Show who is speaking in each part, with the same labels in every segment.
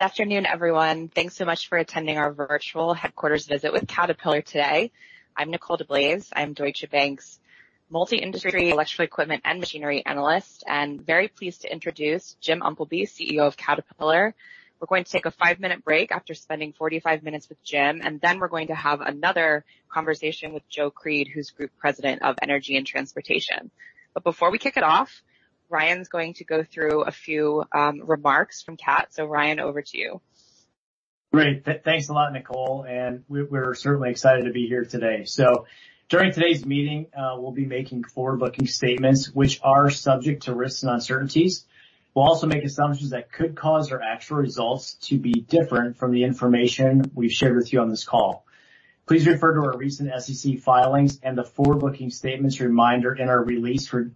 Speaker 1: Good afternoon, everyone. Thanks so much for attending our virtual headquarters visit with Caterpillar today. I'm Nicole DeBlase. I'm Deutsche Bank's Multi-Industry, Electrical Equipment, and Machinery analyst, very pleased to introduce Jim Umpleby, CEO of Caterpillar. We're going to take a five-minute break after spending 45 minutes with Jim, then we're going to have another conversation with Joe Creed, who's Group President of Energy & Transportation. Before we kick it off, Ryan's going to go through a few remarks from Cat. Ryan, over to you.
Speaker 2: Great. Thanks a lot, Nicole, we, we're certainly excited to be here today. During today's meeting, we'll be making forward-looking statements which are subject to risks and uncertainties. We'll also make assumptions that could cause our actual results to be different from the information we've shared with you on this call. Please refer to our recent SEC filings and the forward-looking statements reminder in our release for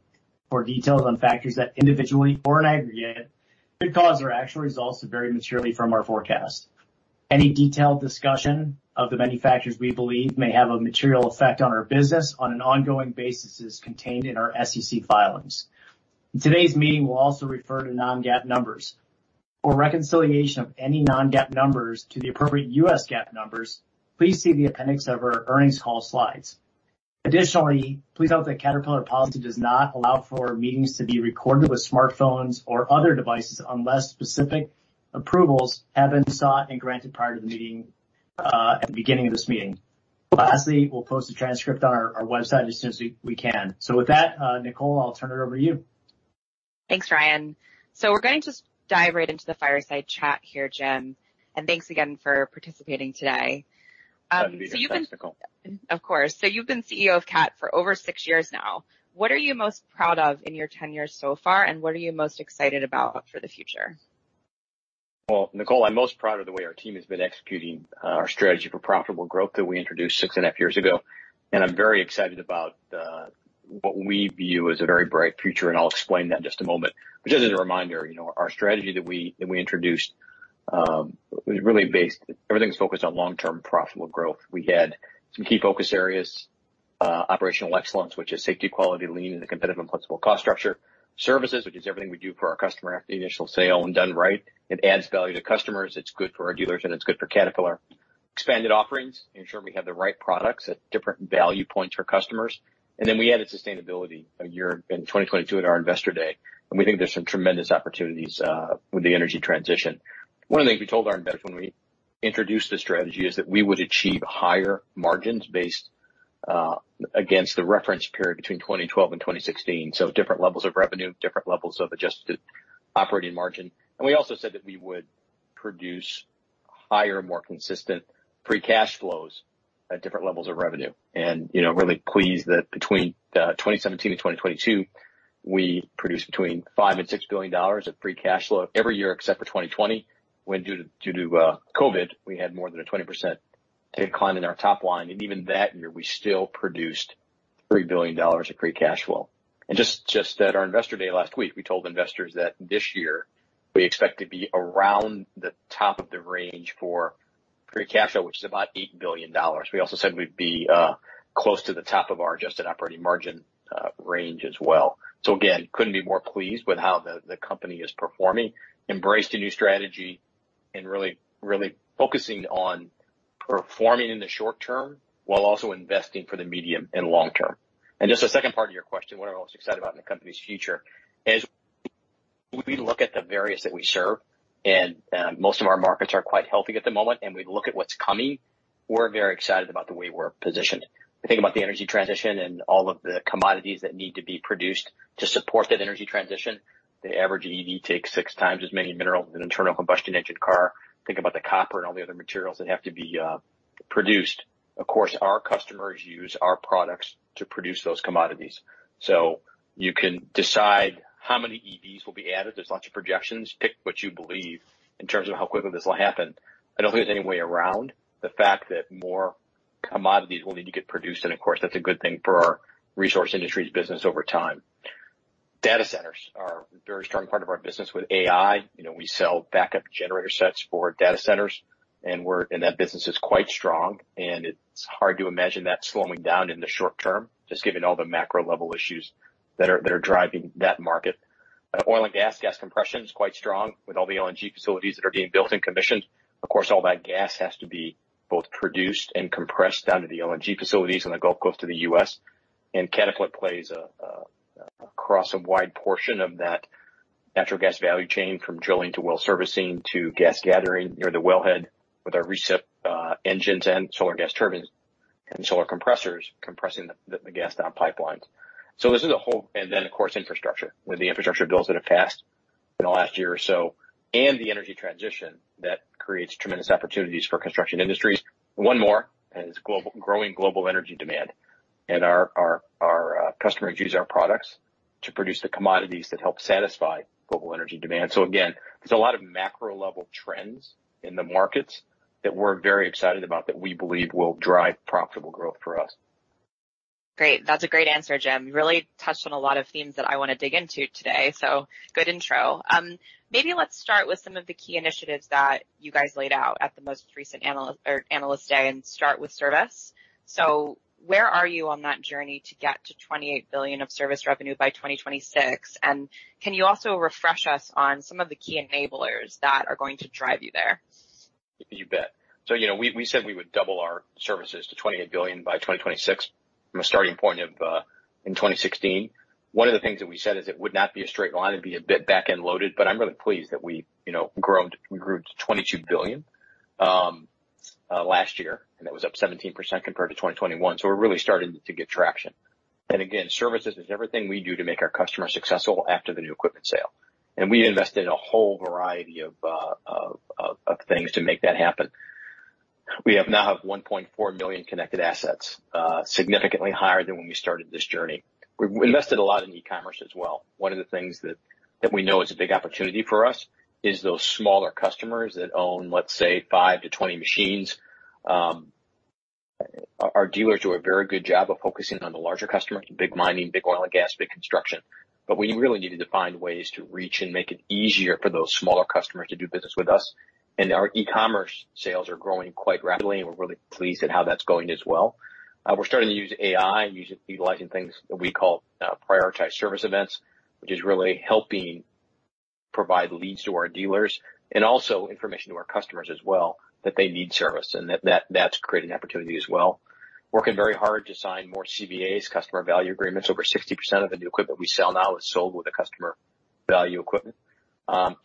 Speaker 2: details on factors that individually or in aggregate could cause our actual results to vary materially from our forecast. Any detailed discussion of the many factors we believe may have a material effect on our business on an ongoing basis is contained in our SEC filings. In today's meeting, we'll also refer to non-GAAP numbers. For reconciliation of any non-GAAP numbers to the appropriate U.S. GAAP numbers, please see the appendix of our earnings call slides. Additionally, please note that Caterpillar policy does not allow for meetings to be recorded with smartphones or other devices, unless specific approvals have been sought and granted prior to the meeting at the beginning of this meeting. Lastly, we'll post a transcript on our, our website as soon as we, we can. With that, Nicole, I'll turn it over to you.
Speaker 1: Thanks, Ryan. We're going to just dive right into the fireside chat here, Jim, and thanks again for participating today. You've been-
Speaker 3: Glad to be here, thanks, Nicole.
Speaker 1: Of course. You've been CEO of Cat for over six years now. What are you most proud of in your tenure so far, and what are you most excited about for the future?
Speaker 3: Well, Nicole, I'm most proud of the way our team has been executing our strategy for profitable growth that we introduced 6.5 years ago. I'm very excited about what we view as a very bright future, and I'll explain that in just a moment. Just as a reminder, you know, our strategy that we, that we introduced, was really based. Everything was focused on long-term profitable growth. We had some key focus areas, operational excellence, which is safety, quality, lean, and a competitive and flexible cost structure. Services, which is everything we do for our customer after the initial sale, and done right, it adds value to customers, it's good for our dealers, and it's good for Caterpillar. Expanded offerings, ensuring we have the right products at different value points for customers. Then we added sustainability a year, in 2022 at our Investor Day, and we think there's some tremendous opportunities, with the energy transition. One of the things we told our investors when we introduced this strategy is that we would achieve higher margins based, against the reference period between 2012 and 2016. Different levels of revenue, different levels of adjusted operating margin. We also said that we would produce higher, more consistent free cash flows at different levels of revenue. You know, I'm really pleased that between 2017 and 2022, we produced between $5 billion and $6 billion of free cash flow every year, except for 2020, when due to, due to COVID, we had more than a 20% decline in our top line. Even that year, we still produced $3 billion of free cash flow. Just, just at our Investor Day last week, we told investors that this year we expect to be around the top of the range for free cash flow, which is about $8 billion. We also said we'd be close to the top of our adjusted operating margin range as well. Again, couldn't be more pleased with how the company is performing, embraced a new strategy and really, really focusing on performing in the short term while also investing for the medium and long term. Just the second part of your question, what I'm most excited about in the company's future, as we look at the various that we serve, and most of our markets are quite healthy at the moment, and we look at what's coming, we're very excited about the way we're positioned. We think about the energy transition and all of the commodities that need to be produced to support that energy transition. The average EV takes 6x as many minerals as an internal combustion engine car. Think about the copper and all the other materials that have to be produced. Of course, our customers use our products to produce those commodities. You can decide how many EVs will be added. There's lots of projections. Pick what you believe in terms of how quickly this will happen. I don't think there's any way around the fact that more commodities will need to get produced, and of course, that's a good thing for our Resource Industries business over time. Data centers are a very strong part of our business with AI. You know, we sell backup generator sets for data centers, and that business is quite strong, and it's hard to imagine that slowing down in the short term, just given all the macro level issues that are driving that market. Oil and gas, gas compression is quite strong, with all the LNG facilities that are being built and commissioned. Of course, all that gas has to be both produced and compressed down to the LNG facilities on the Gulf Coast of the U.S. Caterpillar plays a, a, across a wide portion of that natural gas value chain, from drilling to well servicing to gas gathering near the well head with our recip engines and Solar gas turbines, and Solar compressors compressing the, the gas down pipelines. This is a whole. Then, of course, infrastructure. With the infrastructure bills that have passed in the last year or so, and the energy transition, that creates tremendous opportunities for Construction Industries. One more, it's global, growing global energy demand, and our, our, our customers use our products to produce the commodities that help satisfy global energy demand. Again, there's a lot of macro level trends in the markets that we're very excited about, that we believe will drive profitable growth for us.
Speaker 1: Great. That's a great answer, Jim. You really touched on a lot of themes that I want to dig into today. Good intro. Maybe let's start with some of the key initiatives that you guys laid out at the most recent Analyst Day, and start with service. Where are you on that journey to get to $28 billion of service revenue by 2026? Can you also refresh us on some of the key enablers that are going to drive you there?
Speaker 3: You bet. You know, we, we said we would double our services to $28 billion by 2026, from a starting point in 2016. One of the things that we said is it would not be a straight line, it'd be a bit back-end loaded. I'm really pleased that we, you know, we grew to $22 billion last year, and that was up 17% compared to 2021. We're really starting to get traction. Again, services is everything we do to make our customers successful after the new equipment sale. We invested in a whole variety of things to make that happen. We now have 1.4 million connected assets, significantly higher than when we started this journey. We've invested a lot in eCommerce as well. One of the things that, that we know is a big opportunity for us is those smaller customers that own, let's say, five to 20 machines. Our, our dealers do a very good job of focusing on the larger customers, big mining, big oil and gas, big construction. We really needed to find ways to reach and make it easier for those smaller customers to do business with us. Our eCommerce sales are growing quite rapidly, and we're really pleased at how that's going as well. We're starting to use AI, utilizing things that we call, prioritized service events, which is really helping provide leads to our dealers and also information to our customers as well, that they need service, and that, that, that's creating opportunity as well. Working very hard to sign more CVAs, Customer Value Agreements. Over 60% of the new equipment we sell now is sold with a Customer Value Agreement.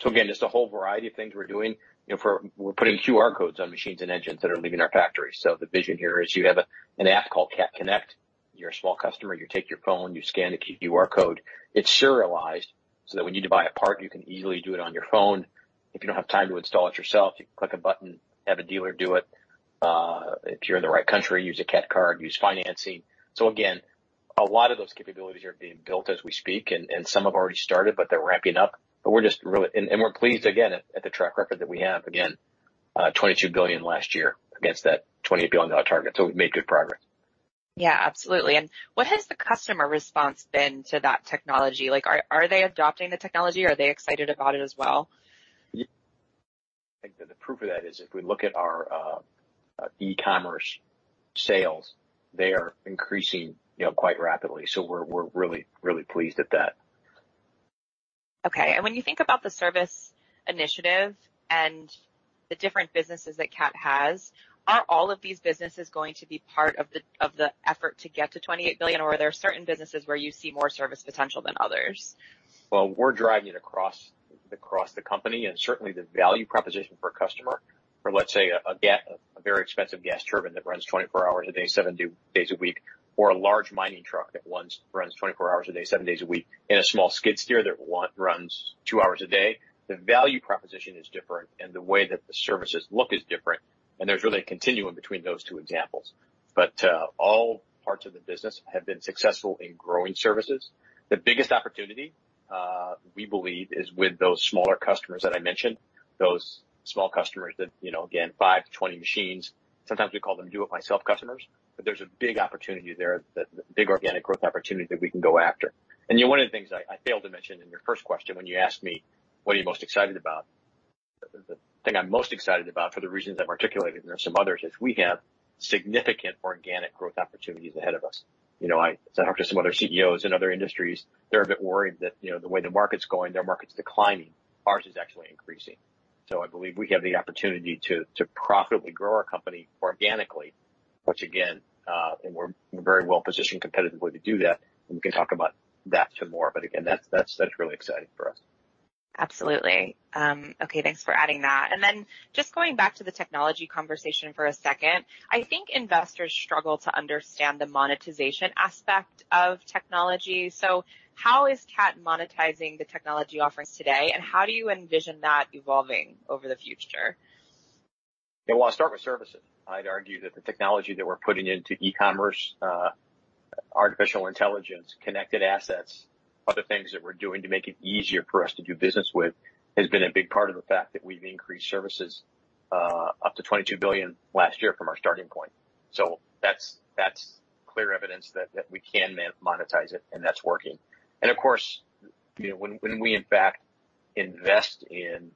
Speaker 3: Again, just a whole variety of things we're doing. You know, we're putting QR codes on machines and engines that are leaving our factory. The vision here is you have a, an app called Cat Connect. You're a small customer, you take your phone, you scan a QR code. It's serialized, so that when you need to buy a part, you can easily do it on your phone. If you don't have time to install it yourself, you can click a button, have a dealer do it. If you're in the right country, use a Cat Card, use financing. Again, a lot of those capabilities are being built as we speak, and some have already started, but they're ramping up. We're just really we're pleased again at, at the track record that we have. Again, $22 billion last year against that $28 billion target. we've made good progress.
Speaker 1: Yeah, absolutely. What has the customer response been to that technology? Are they adopting the technology? Are they excited about it as well?
Speaker 3: Yeah. I think that the proof of that is if we look at our eCommerce sales, they are increasing, you know, quite rapidly. We're, we're really, really pleased at that.
Speaker 1: Okay. When you think about the service initiative and the different businesses that Cat has, are all of these businesses going to be part of the, of the effort to get to $28 billion, or are there certain businesses where you see more service potential than others?
Speaker 3: Well, we're driving it across, across the company, and certainly the value proposition for a customer for, let's say, a very expensive gas turbine that runs 24 hours a day, seven days a week, or a large mining truck that once runs 24 hours a day, seven days a week, and a small skid steer that once runs two hours a day, the value proposition is different, and the way that the services look is different. There's really a continuum between those two examples. All parts of the business have been successful in growing services. The biggest opportunity, we believe, is with those smaller customers that I mentioned, those small customers that, you know, again, five to 20 machines. Sometimes we call them do-it-myself customers. There's a big opportunity there, the, the big organic growth opportunity that we can go after. You know, one of the things I, I failed to mention in your first question, when you asked me: What are you most excited about? The thing I'm most excited about, for the reasons I've articulated, and there are some others, is we have significant organic growth opportunities ahead of us. You know, I said talk to some other CEOs in other industries. They're a bit worried that, you know, the way the market's going, their market's declining. Ours is actually increasing. I believe we have the opportunity to, to profitably grow our company organically, which again, and we're very well positioned competitively to do that. We can talk about that some more, but again, that's, that's, that's really exciting for us.
Speaker 1: Absolutely. Okay, thanks for adding that. Then just going back to the technology conversation for a second. I think investors struggle to understand the monetization aspect of technology. How is Cat monetizing the technology offerings today, and how do you envision that evolving over the future?
Speaker 3: Yeah. Well, I'll start with services. I'd argue that the technology that we're putting into eCommerce, artificial intelligence, connected assets, other things that we're doing to make it easier for us to do business with, has been a big part of the fact that we've increased services, up to $22 billion last year from our starting point. That's, that's clear evidence that, that we can monetize it, and that's working. Of course, you know, when, when we, in fact, invest in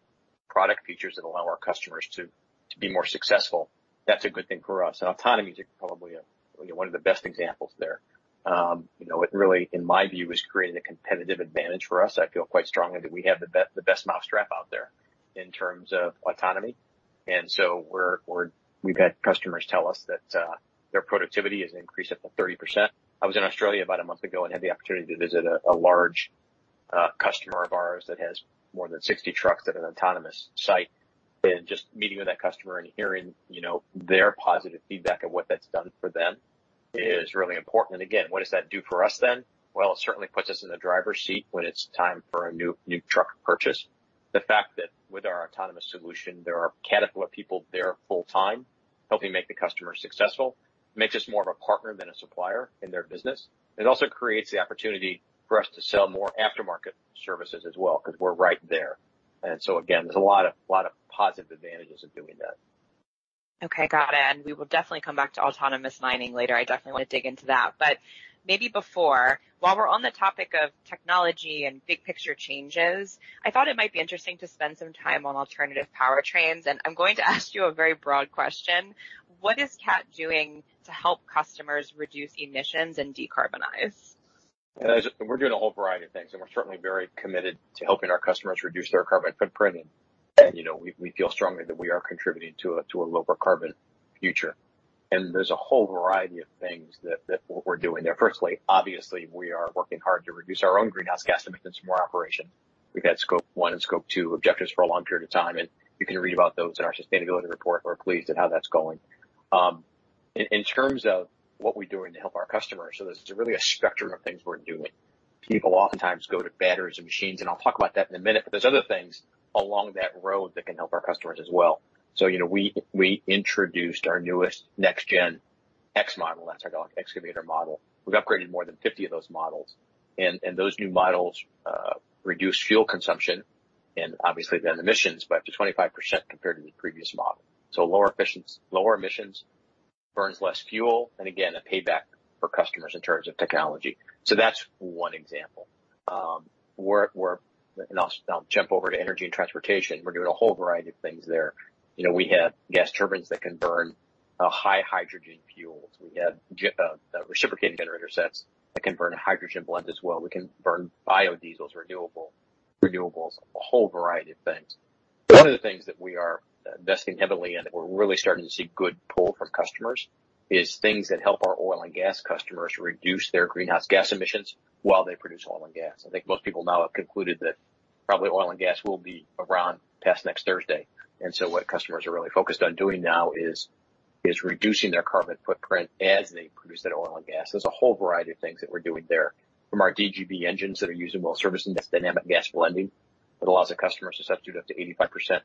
Speaker 3: product features that allow our customers to, to be more successful, that's a good thing for us. Autonomy is probably a, you know, one of the best examples there. You know, it really, in my view, is creating a competitive advantage for us. I feel quite strongly that we have the best mousetrap out there in terms of autonomy. We've had customers tell us that their productivity has increased up to 30%. I was in Australia about a month ago and had the opportunity to visit a large customer of ours that has more than 60 trucks at an autonomous site. Just meeting with that customer and hearing, you know, their positive feedback of what that's done for them is really important. Again, what does that do for us then? Well, it certainly puts us in the driver's seat when it's time for a new, new truck purchase. The fact that with our autonomous solution, there are Caterpillar people there full time, helping make the customer successful, makes us more of a partner than a supplier in their business. It also creates the opportunity for us to sell more aftermarket services as well, because we're right there. Again, there's a lot of, lot of positive advantages of doing that.
Speaker 1: Okay, got it. We will definitely come back to autonomous mining later. I definitely want to dig into that. Maybe before, while we're on the topic of technology and big picture changes, I thought it might be interesting to spend some time on alternative powertrains. I'm going to ask you a very broad question: What is Cat doing to help customers reduce emissions and decarbonize?
Speaker 3: I just, we're doing a whole variety of things, and we're certainly very committed to helping our customers reduce their carbon footprint. You know, we, we feel strongly that we are contributing to a, to a lower carbon future. There's a whole variety of things that, that we're doing there. Firstly, obviously, we are working hard to reduce our own greenhouse gas emissions from our operation. We've had Scope 1 and Scope 2 objectives for a long period of time, and you can read about those in our sustainability report. We're pleased at how that's going. In terms of what we're doing to help our customers, so this is really a spectrum of things we're doing. People oftentimes go to batteries and machines, and I'll talk about that in a minute, but there's other things along that road that can help our customers as well. You know, we, we introduced our newest Next Gen X model. That's our excavator model. We've upgraded more than 50 of those models, and those new models reduce fuel consumption and obviously then emissions by up to 25% compared to the previous model. Lower efficiency, lower emissions, burns less fuel, and again, a payback for customers in terms of technology. That's one example. We're, we're, and I'll, I'll jump over to Energy & Transportation. We're doing a whole variety of things there. You know, we have gas turbines that can burn a high hydrogen fuel. We have gen reciprocating generator sets that can burn a hydrogen blend as well. We can burn biodiesels, renewable, renewables, a whole variety of things. One of the things that we are investing heavily in, that we're really starting to see good pull from customers, is things that help our Oil & Gas customers reduce their greenhouse gas emissions while they produce oil and gas. I think most people now have concluded that probably Oil & Gas will be around past next Thursday. So what customers are really focused on doing now is, is reducing their carbon footprint as they produce that oil and gas. There's a whole variety of things that we're doing there, from our DGB engines that are used in well servicing this Dynamic Gas Blending, that allows the customers to substitute up to 85%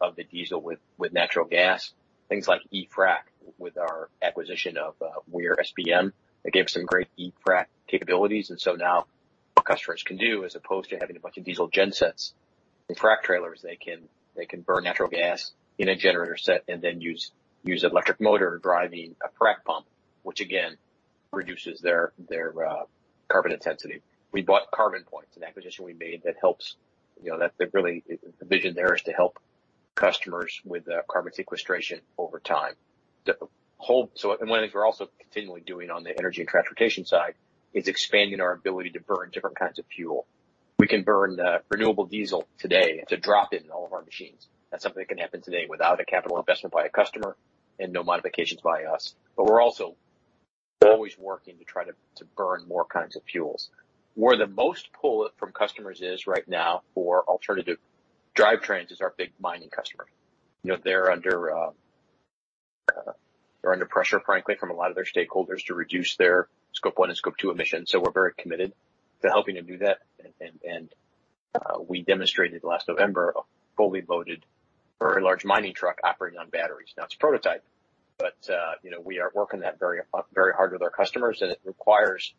Speaker 3: of the diesel with, with natural gas. Things like e-frac with our acquisition of Weir SPM, that gave us some great e-frac capabilities. Now what customers can do, as opposed to having a bunch of diesel gen sets and frac trailers, they can burn natural gas in a generator set and then use electric motor driving a frac pump, which again, reduces their carbon intensity. We bought CarbonPoint, an acquisition we made that helps. You know, that really, the vision there is to help customers with carbon sequestration over time. One of the things we're also continually doing on the Energy & Transportation side is expanding our ability to burn different kinds of fuel. We can burn renewable diesel today, it's a drop-in in all of our machines. That's something that can happen today without a capital investment by a customer and no modifications by us. We're also always working to try to burn more kinds of fuels. Where the most pull from customers is right now for alternative drivetrains is our big mining customer. You know, they're under pressure, frankly, from a lot of their stakeholders to reduce their Scope 1 and Scope 2 emissions. We're very committed to helping them do that. We demonstrated last November, a fully loaded very large mining truck operating on batteries. It's a prototype, but, you know, we are working that very hard with our customers, and it requires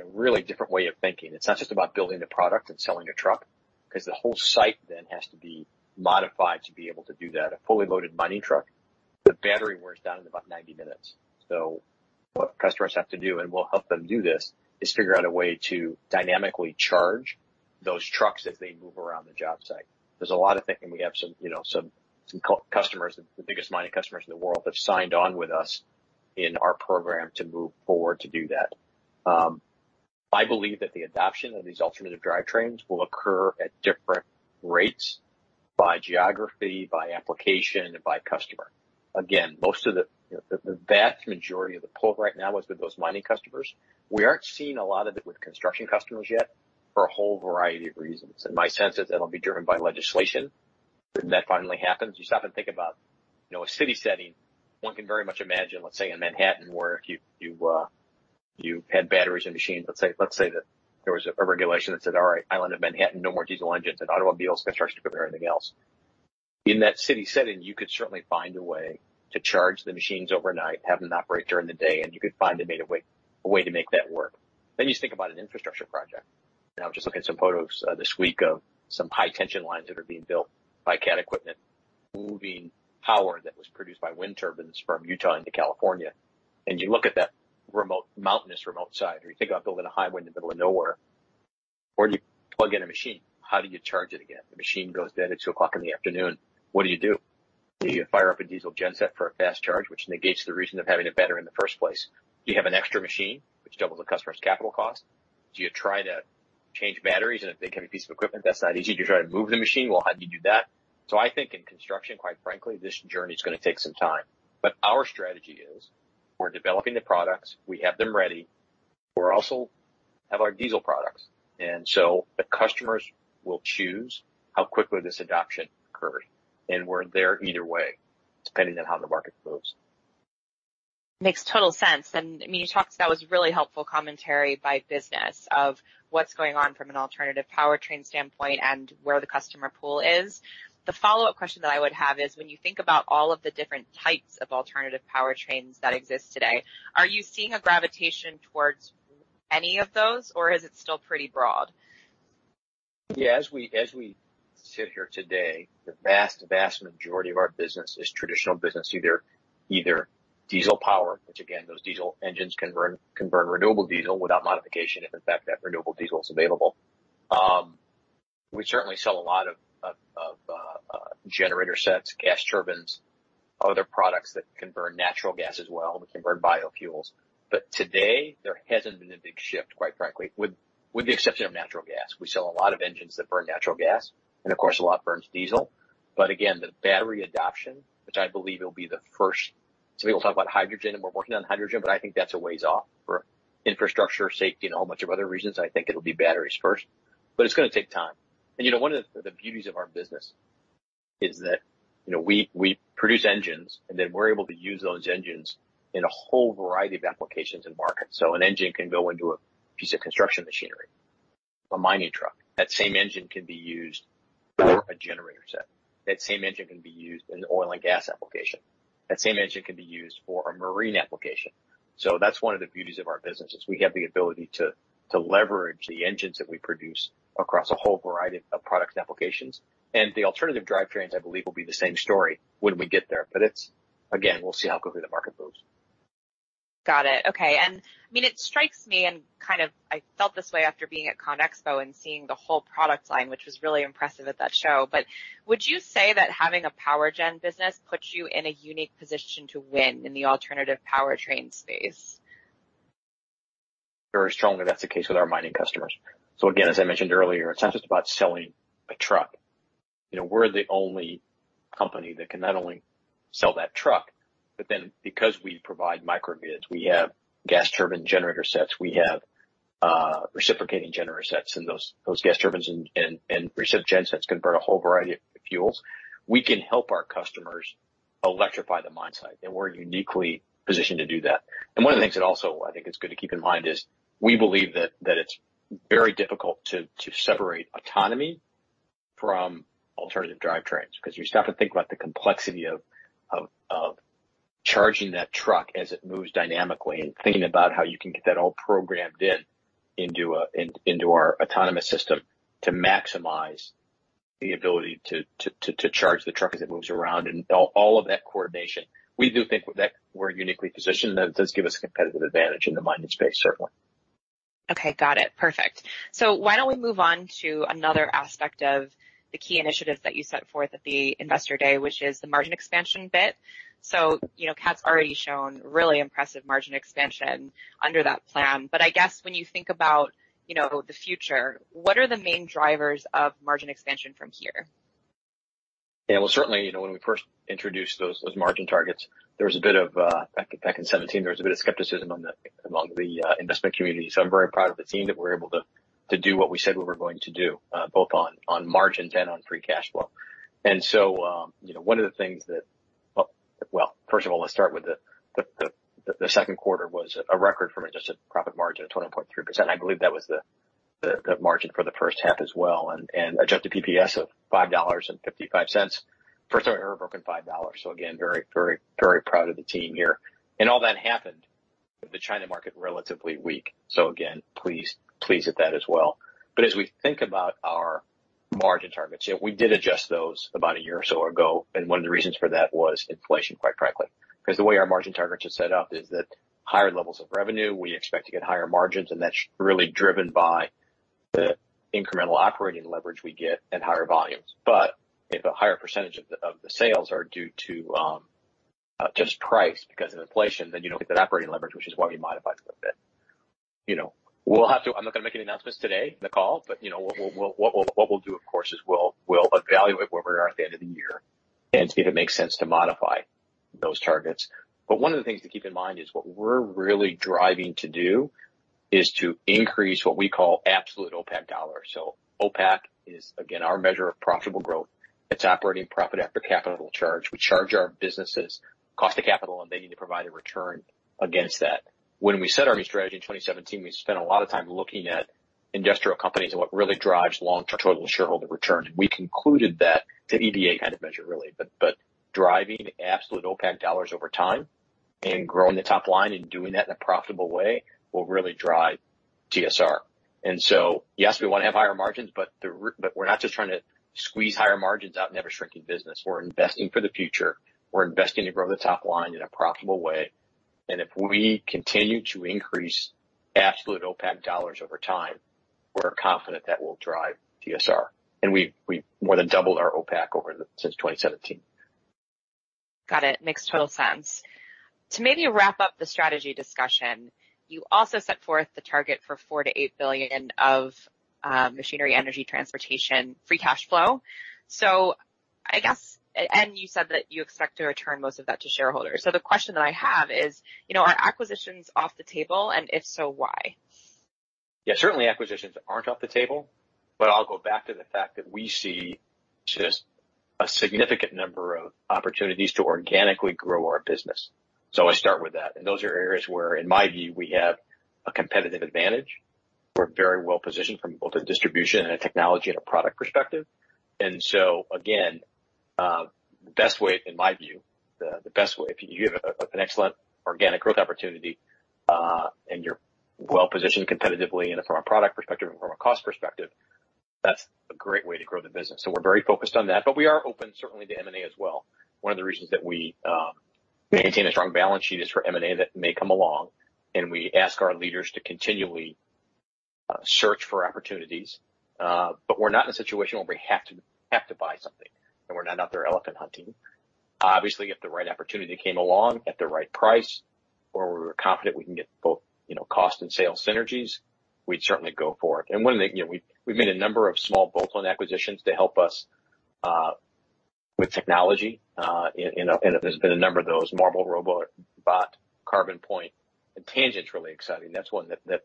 Speaker 3: a really different way of thinking. It's not just about building a product and selling a truck, 'cause the whole site then has to be modified to be able to do that. A fully loaded mining truck, the battery wears down in about 90 minutes. What customers have to do, and we'll help them do this, is figure out a way to dynamically charge those trucks as they move around the job site. There's a lot of thinking. We have some, you know, some, some customers, the biggest mining customers in the world, have signed on with us in our program to move forward to do that. I believe that the adoption of these alternative drivetrains will occur at different rates by geography, by application, and by customer. Again, most of the, you know, the vast majority of the pull right now is with those mining customers. We aren't seeing a lot of it with construction customers yet for a whole variety of reasons. My sense is that'll be driven by legislation. When that finally happens, you stop and think about, you know, a city setting. One can very much imagine, let's say, in Manhattan, where if you, you had batteries and machines. Let's say, let's say that there was a regulation that said, "All right, island of Manhattan, no more diesel engines in automobiles, construction, everything else." In that city setting, you could certainly find a way to charge the machines overnight, have them operate during the day, and you could find a better way, a way to make that work. You think about an infrastructure project. Now, I was just looking at some photos this week of some high tension lines that are being built by Cat equipment, moving power that was produced by wind turbines from Utah into California. You look at that remote, mountainous, remote site, or you think about building a highway in the middle of nowhere, where do you plug in a machine? How do you charge it again? The machine goes dead at 2:00 P.M. What do you do? Do you fire up a diesel gen set for a fast charge, which negates the reason of having a battery in the first place? Do you have an extra machine, which doubles the customer's capital cost? Do you try to change batteries, and if they have a piece of equipment, that's not easy? Do you try to move the machine? Well, how do you do that? I think in construction, quite frankly, this journey is gonna take some time. Our strategy is, we're developing the products. We have them ready. We're also have our diesel products. The customers will choose how quickly this adoption occurs. We're there either way, depending on how the market moves.
Speaker 1: Makes total sense. I mean, you talked. That was really helpful commentary by business of what's going on from an alternative powertrain standpoint and where the customer pool is. The follow-up question that I would have is, when you think about all of the different types of alternative powertrains that exist today, are you seeing a gravitation towards any of those, or is it still pretty broad?
Speaker 3: Yeah, as we, as we sit here today, the vast, vast majority of our business is traditional business. Either, either diesel power, which again, those diesel engines can burn, can burn renewable diesel without modification, if in fact, that renewable diesel is available. We certainly sell a lot of generator sets, gas turbines, other products that can burn natural gas as well, that can burn biofuels. Today, there hasn't been a big shift, quite frankly, with, with the exception of natural gas. We sell a lot of engines that burn natural gas, and of course, a lot burns diesel. Again, the battery adoption, which I believe will be the first. Some people talk about hydrogen, and we're working on hydrogen, but I think that's a ways off for infrastructure, safety, and a whole bunch of other reasons. I think it'll be batteries first, but it's gonna take time. You know, one of the beauties of our business is that, you know, we produce engines, then we're able to use those engines in a whole variety of applications and markets. An engine can go into a piece of construction machinery, a mining truck. That same engine can be used for a generator set. That same engine can be used in Oil & Gas application. That same engine can be used for a marine application. That's one of the beauties of our business, is we have the ability to leverage the engines that we produce across a whole variety of products and applications. The alternative drivetrains, I believe, will be the same story when we get there. It's. Again, we'll see how quickly the market moves.
Speaker 1: Got it. Okay, I mean, it strikes me, and kind of I felt this way after being at CONEXPO and seeing the whole product line, which was really impressive at that show. Would you say that having a Power Gen business puts you in a unique position to win in the alternative powertrain space?
Speaker 3: Very strongly, that's the case with our mining customers. Again, as I mentioned earlier, it's not just about selling a truck. You know, we're the only company that can not only sell that truck, but then because we provide microgrids, we have gas turbine generator sets, we have reciprocating generator sets, and those gas turbines and recip gen sets convert a whole variety of fuels. We can help our customers electrify the mine site, and we're uniquely positioned to do that. One of the things that also I think is good to keep in mind is, we believe that it's very difficult to separate autonomy from alternative drivetrains. 'Cause you stop and think about the complexity of charging that truck as it moves dynamically, and thinking about how you can get that all programmed in into our autonomous system to maximize the ability to charge the truck as it moves around and all of that coordination. We do think that we're uniquely positioned, and that does give us a competitive advantage in the mining space, certainly.
Speaker 1: Okay, got it. Perfect. Why don't we move on to another aspect of the key initiatives that you set forth at the Investor Day, which is the margin expansion bit. You know, Cat's already shown really impressive margin expansion under that plan. I guess when you think about, you know, the future, what are the main drivers of margin expansion from here?
Speaker 3: Yeah, well, certainly, you know, when we first introduced those, those margin targets, there was a bit of skepticism among the investment community. I'm very proud of the team that we're able to do what we said we were going to do, both on margins and on free cash flow. You know, one of the things that. Well, well, first of all, let's start with the second quarter was a record from adjusted profit margin of 20.3%. I believe that was the margin for the first half as well, and adjusted PPS of $5.55. First time we ever broken $5. Again, very, very, very proud of the team here. All that happened, with the China market relatively weak. Again, pleased, pleased at that as well. As we think about our margin targets, yeah, we did adjust those about a year or so ago, and one of the reasons for that was inflation, quite frankly. 'Cause the way our margin targets are set up is that higher levels of revenue, we expect to get higher margins, and that's really driven by the incremental operating leverage we get at higher volumes. If a higher percentage of the sales are due to just price because of inflation, then you don't get that operating leverage, which is why we modified it a bit. You know, we'll have to. I'm not gonna make any announcements today on the call. You know, what we'll do, of course, is we'll evaluate where we are at the end of the year and see if it makes sense to modify those targets. One of the things to keep in mind is what we're really driving to do is to increase what we call absolute OPACC dollars. OPACC is, again, our measure of profitable growth. It's Operating Profit After Capital Charge. We charge our businesses cost of capital, and they need to provide a return against that. When we set our strategy in 2017, we spent a lot of time looking at industrial companies and what really drives long-term total shareholder return. We concluded that the EBITDA kind of measure, really, but, but driving absolute OPACC dollars over time and growing the top line and doing that in a profitable way will really drive TSR. So, yes, we want to have higher margins, but but we're not just trying to squeeze higher margins out in every shrinking business. We're investing for the future. We're investing to grow the top line in a profitable way, and if we continue to increase absolute OPACC dollars over time, we're confident that will drive TSR. We've, we've more than doubled our OPACC over the, since 2017.
Speaker 1: Got it. Makes total sense. To maybe wrap up the strategy discussion, you also set forth the target for $4 billion-$8 billion of machinery, energy, transportation, free cash flow. I guess. You said that you expect to return most of that to shareholders. The question that I have is, you know, are acquisitions off the table? If so, why?
Speaker 3: Yeah, certainly acquisitions aren't off the table, but I'll go back to the fact that we see just a significant number of opportunities to organically grow our business. I start with that, and those are areas where, in my view, we have a competitive advantage. We're very well positioned from both a distribution and a technology and a product perspective. Again, the best way, in my view, the, the best way, if you have an excellent organic growth opportunity, and you're well positioned competitively, and from a product perspective and from a cost perspective, that's a great way to grow the business. We're very focused on that, but we are open, certainly to M&A as well. One of the reasons that we maintain a strong balance sheet is for M&A that may come along, and we ask our leaders to continually- search for opportunities. We're not in a situation where we have to, have to buy something, and we're not out there elephant hunting. Obviously, if the right opportunity came along at the right price, or we're confident we can get both, you know, cost and sales synergies, we'd certainly go for it. One of the, you know, we, we've made a number of small bolt-on acquisitions to help us with technology, and there's been a number of those, Marble Robot, Bot, CarbonPoint, and Tangent's really exciting. That's one that, that,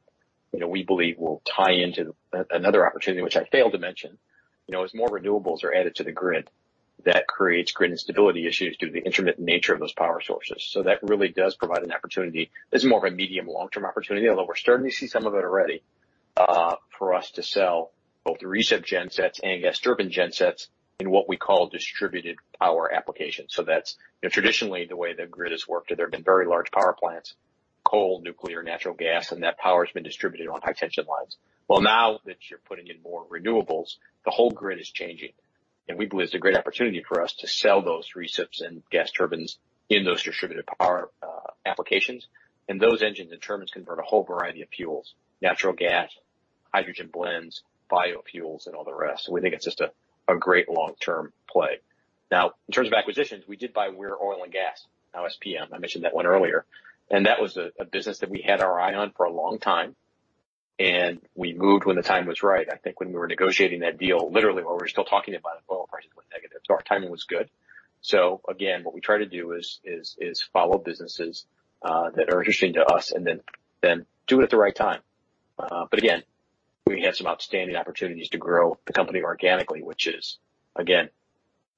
Speaker 3: you know, we believe will tie into another opportunity, which I failed to mention. You know, as more renewables are added to the grid, that creates grid instability issues due to the intermittent nature of those power sources. That really does provide an opportunity. This is more of a medium, long-term opportunity, although we're starting to see some of it already, for us to sell both the recip gensets and gas turbine gensets in what we call distributed power applications. Traditionally, the way the grid has worked, there have been very large power plants, coal, nuclear, natural gas, and that power has been distributed on high tension lines. Now that you're putting in more renewables, the whole grid is changing, and we believe it's a great opportunity for us to sell those recips and gas turbines in those distributed power applications. Those engines and turbines convert a whole variety of fuels, natural gas, hydrogen blends, biofuels, and all the rest. We think it's just a great long-term play. In terms of acquisitions, we did buy Weir Oil & Gas, now SPM. I mentioned that one earlier. That was a, a business that we had our eye on for a long time, and we moved when the time was right. I think when we were negotiating that deal, literally, when we were still talking about it, oil prices went negative. Our timing was good. Again, what we try to do is, is, is follow businesses that are interesting to us and then, then do it at the right time. Again, we have some outstanding opportunities to grow the company organically, which is, again,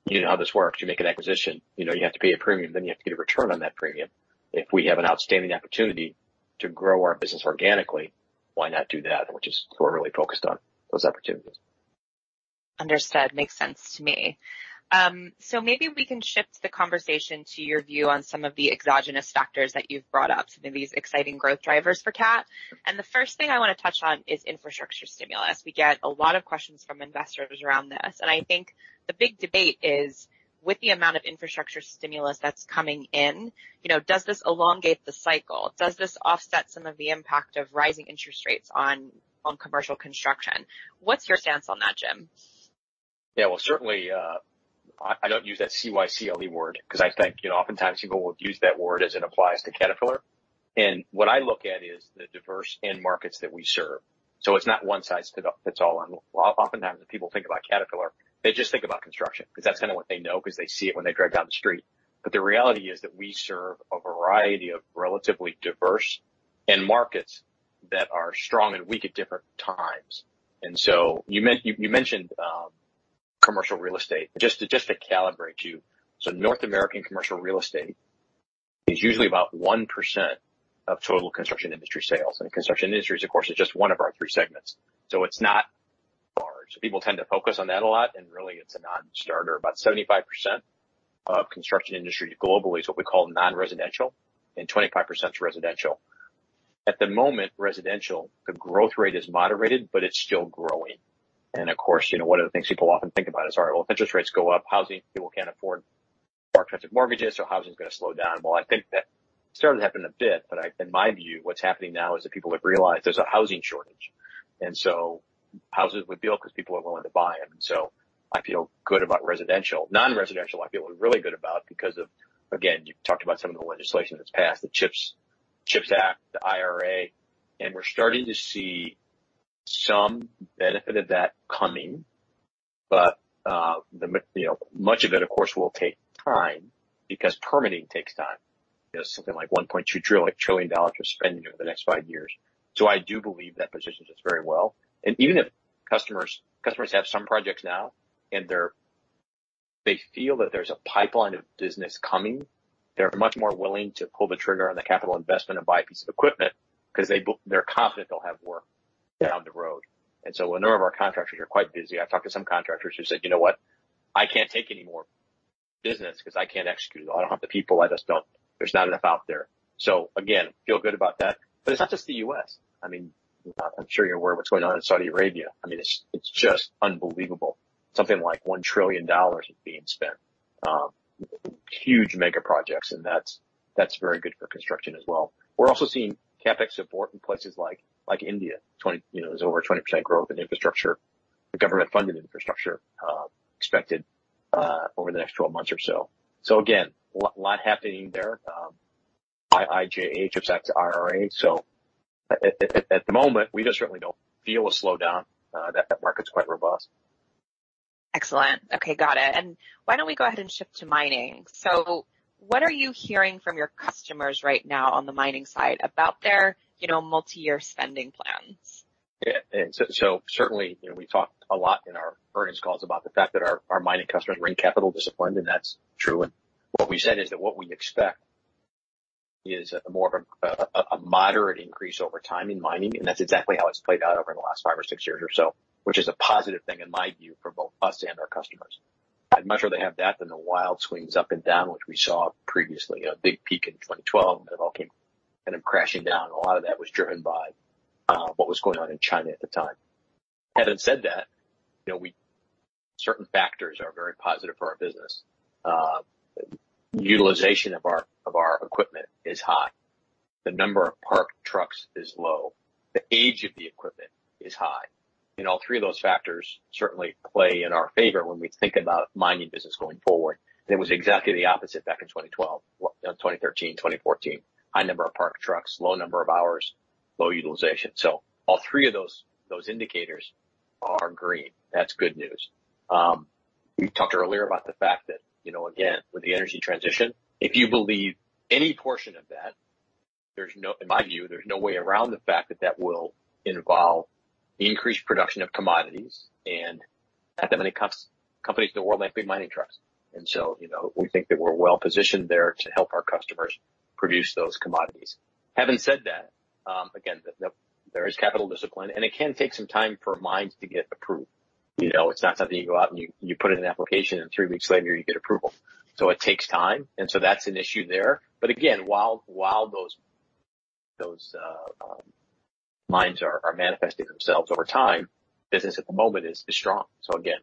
Speaker 3: you know how this works. You make an acquisition, you know you have to pay a premium, then you have to get a return on that premium. If we have an outstanding opportunity to grow our business organically, why not do that? Which is we're really focused on those opportunities.
Speaker 1: Understood. Makes sense to me. Maybe we can shift the conversation to your view on some of the exogenous factors that you've brought up, some of these exciting growth drivers for Cat. The first thing I want to touch on is infrastructure stimulus. We get a lot of questions from investors around this, and I think the big debate is: With the amount of infrastructure stimulus that's coming in, you know, does this elongate the cycle? Does this offset some of the impact of rising interest rates on, on commercial construction? What's your stance on that, Jim?
Speaker 3: Yeah, well, certainly, I, I don't use that CYCLE word because I think, you know, oftentimes people will use that word as it applies to Caterpillar. What I look at is the diverse end markets that we serve. It's not one size fits all. Oftentimes, when people think about Caterpillar, they just think about construction, because that's what they know, because they see it when they drive down the street. The reality is that we serve a variety of relatively diverse end markets that are strong and weak at different times. So you mentioned commercial real estate. Just to, just to calibrate you, so North American commercial real estate is usually about 1% of total construction industry sales. Construction Industries, of course, is just one of our three segments, so it's not large. People tend to focus on that a lot, and really it's a non-starter. About 75% of construction industry globally is what we call non-residential, and 25% is residential. At the moment, residential, the growth rate is moderated, but it's still growing. Of course, you know, one of the things people often think about is, all right, well, if interest rates go up, housing, people can't afford more expensive mortgages, so housing is going to slow down. I think that started to happen a bit, but in my view, what's happening now is that people have realized there's a housing shortage, and so houses would build because people are willing to buy them. I feel good about residential. Non-residential, I feel really good about because of, again, you talked about some of the legislation that's passed, the CHIPS Act, the IRA, we're starting to see some benefit of that coming. You know, much of it, of course, will take time because permitting takes time. There's something like $1.2 trillion we're spending over the next five years. I do believe that positions us very well. Even if customers, customers have some projects now, they feel that there's a pipeline of business coming, they're much more willing to pull the trigger on the capital investment and buy a piece of equipment because they're confident they'll have work down the road. A number of our contractors are quite busy. I've talked to some contractors who said, "You know what? I can't take any more business because I can't execute it. I don't have the people. I just don't. There's not enough out there." Again, feel good about that. It's not just the U.S. I mean, I'm sure you're aware of what's going on in Saudi Arabia. I mean, it's, it's just unbelievable. Something like $1 trillion is being spent, huge mega projects, and that's, that's very good for construction as well. We're also seeing CapEx support in places like, like India. 20, you know, there's over 20% growth in infrastructure, government-funded infrastructure, expected over the next 12 months or so. Again, lot, lot happening there. IIJA, CHIPS Act, IRA. At, at, at, at the moment, we just certainly don't feel a slowdown. That market's quite robust.
Speaker 1: Excellent. Okay, got it. Why don't we go ahead and shift to mining? What are you hearing from your customers right now on the mining side about their, you know, multi-year spending plans?
Speaker 3: Yeah, certainly, you know, we talked a lot in our earnings calls about the fact that our mining customers remain capital disciplined, and that's true. What we said is that what we expect is a more of a, a, a moderate increase over time in mining, and that's exactly how it's played out over the last five or six years or so, which is a positive thing, in my view, for both us and our customers. I'd much rather have that than the wild swings up and down, which we saw previously. A big peak in 2012, it all came kind of crashing down. A lot of that was driven by what was going on in China at the time. Having said that, you know, Certain factors are very positive for our business. Utilization of our, of our equipment is high. The number of parked trucks is low. The age of the equipment is high. All three of those factors certainly play in our favor when we think about Mining business going forward. It was exactly the opposite back in 2012, well, 2013, 2014. High number of parked trucks, low number of hours, low utilization. All three of those, those indicators are green. That's good news. We talked earlier about the fact that, you know, again, with the energy transition, if you believe any portion of that, in my view, there's no way around the fact that that will involve increased production of commodities, and not that many companies in the world make big mining trucks. You know, we think that we're well-positioned there to help our customers produce those commodities. Having said that, again, there is capital discipline, and it can take some time for mines to get approved. You know, it's not something you go out and you, you put in an application, and three weeks later, you get approval. It takes time, and so that's an issue there. Again, while those mines are manifesting themselves over time, business at the moment is strong. Again,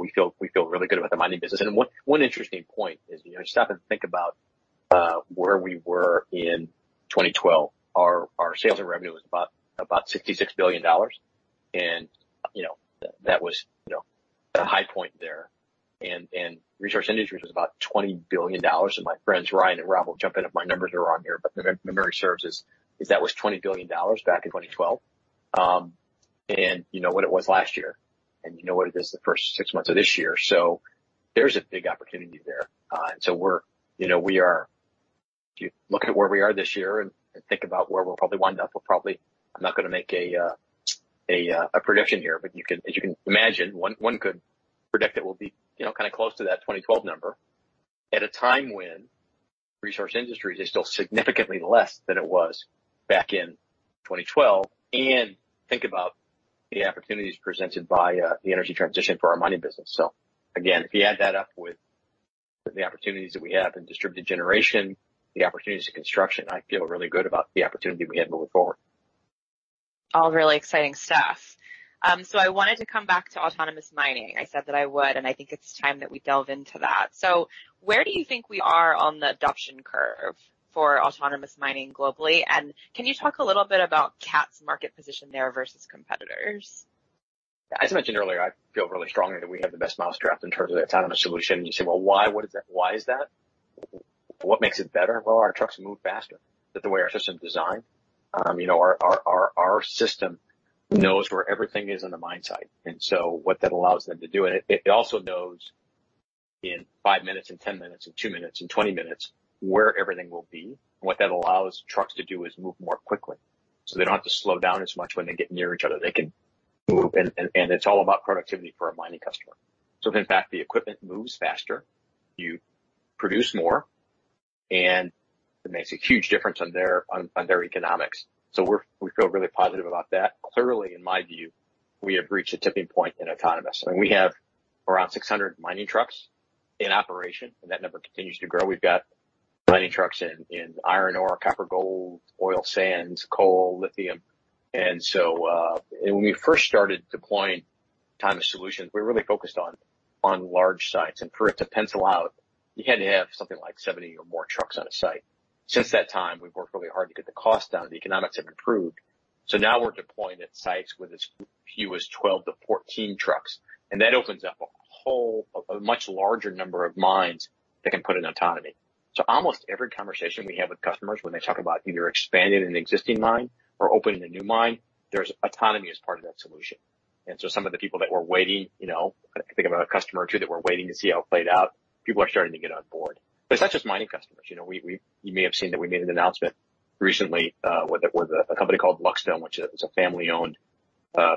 Speaker 3: we feel really good about the Mining business. One interesting point is, you know, stop and think about where we were in 2012. Our sales and revenue was about $66 billion. You know, that was a high point there. Resource Industries was about $20 billion, and my friends Ryan and Rob will jump in if my numbers are wrong here, but if my memory serves is that was $20 billion back in 2012. And you know what it was last year, and you know what it is the first 6 months of this year. There's a big opportunity there. We're, you know, we are, if you look at where we are this year and think about where we'll probably wind up, we'll probably. I'm not gonna make a prediction here, but you can, as you can imagine, one could predict that we'll be, you know, kinda close to that 2012 number, at a time when Resource Industries is still significantly less than it was back in 2012. Think about the opportunities presented by the energy transition for our Mining business. Again, if you add that up with the opportunities that we have in distributed generation, the opportunities in construction, I feel really good about the opportunity we have moving forward.
Speaker 1: All really exciting stuff. I wanted to come back to autonomous mining. I said that I would, and I think it's time that we delve into that. Where do you think we are on the adoption curve for autonomous mining globally? And can you talk a little bit about Cat's market position there versus competitors?
Speaker 3: As I mentioned earlier, I feel really strongly that we have the best mousetrap in terms of the autonomous solution. You say, "Well, why? What is that? Why is that? What makes it better?" Well, our trucks move faster, that the way our system is designed. You know, our system knows where everything is in the mine site, what that allows them to do. It also knows in five minutes and 10 minutes and two minutes and 20 minutes, where everything will be. What that allows trucks to do is move more quickly, so they don't have to slow down as much when they get near each other. They can move, and it's all about productivity for a mining customer. If, in fact, the equipment moves faster, you produce more, and it makes a huge difference on their economics. We feel really positive about that. Clearly, in my view, we have reached a tipping point in autonomous. I mean, we have around 600 mining trucks in operation, and that number continues to grow. We've got mining trucks in iron ore, copper, gold, oil sands, coal, lithium. When we first started deploying autonomous solutions, we really focused on large sites, and for it to pencil out, you had to have something like 70 or more trucks on a site. Since that time, we've worked really hard to get the cost down, the economics have improved. Now we're deploying at sites with as few as 12 to 14 trucks, and that opens up a whole, a much larger number of mines that can put in autonomy. Almost every conversation we have with customers when they talk about either expanding an existing mine or opening a new mine, there's autonomy as part of that solution. Some of the people that we're waiting, you know, I can think of a customer or two that we're waiting to see how it played out, people are starting to get on board. It's not just mining customers. You know, we, you may have seen that we made an announcement recently with a company called Luck Stone, which is a family-owned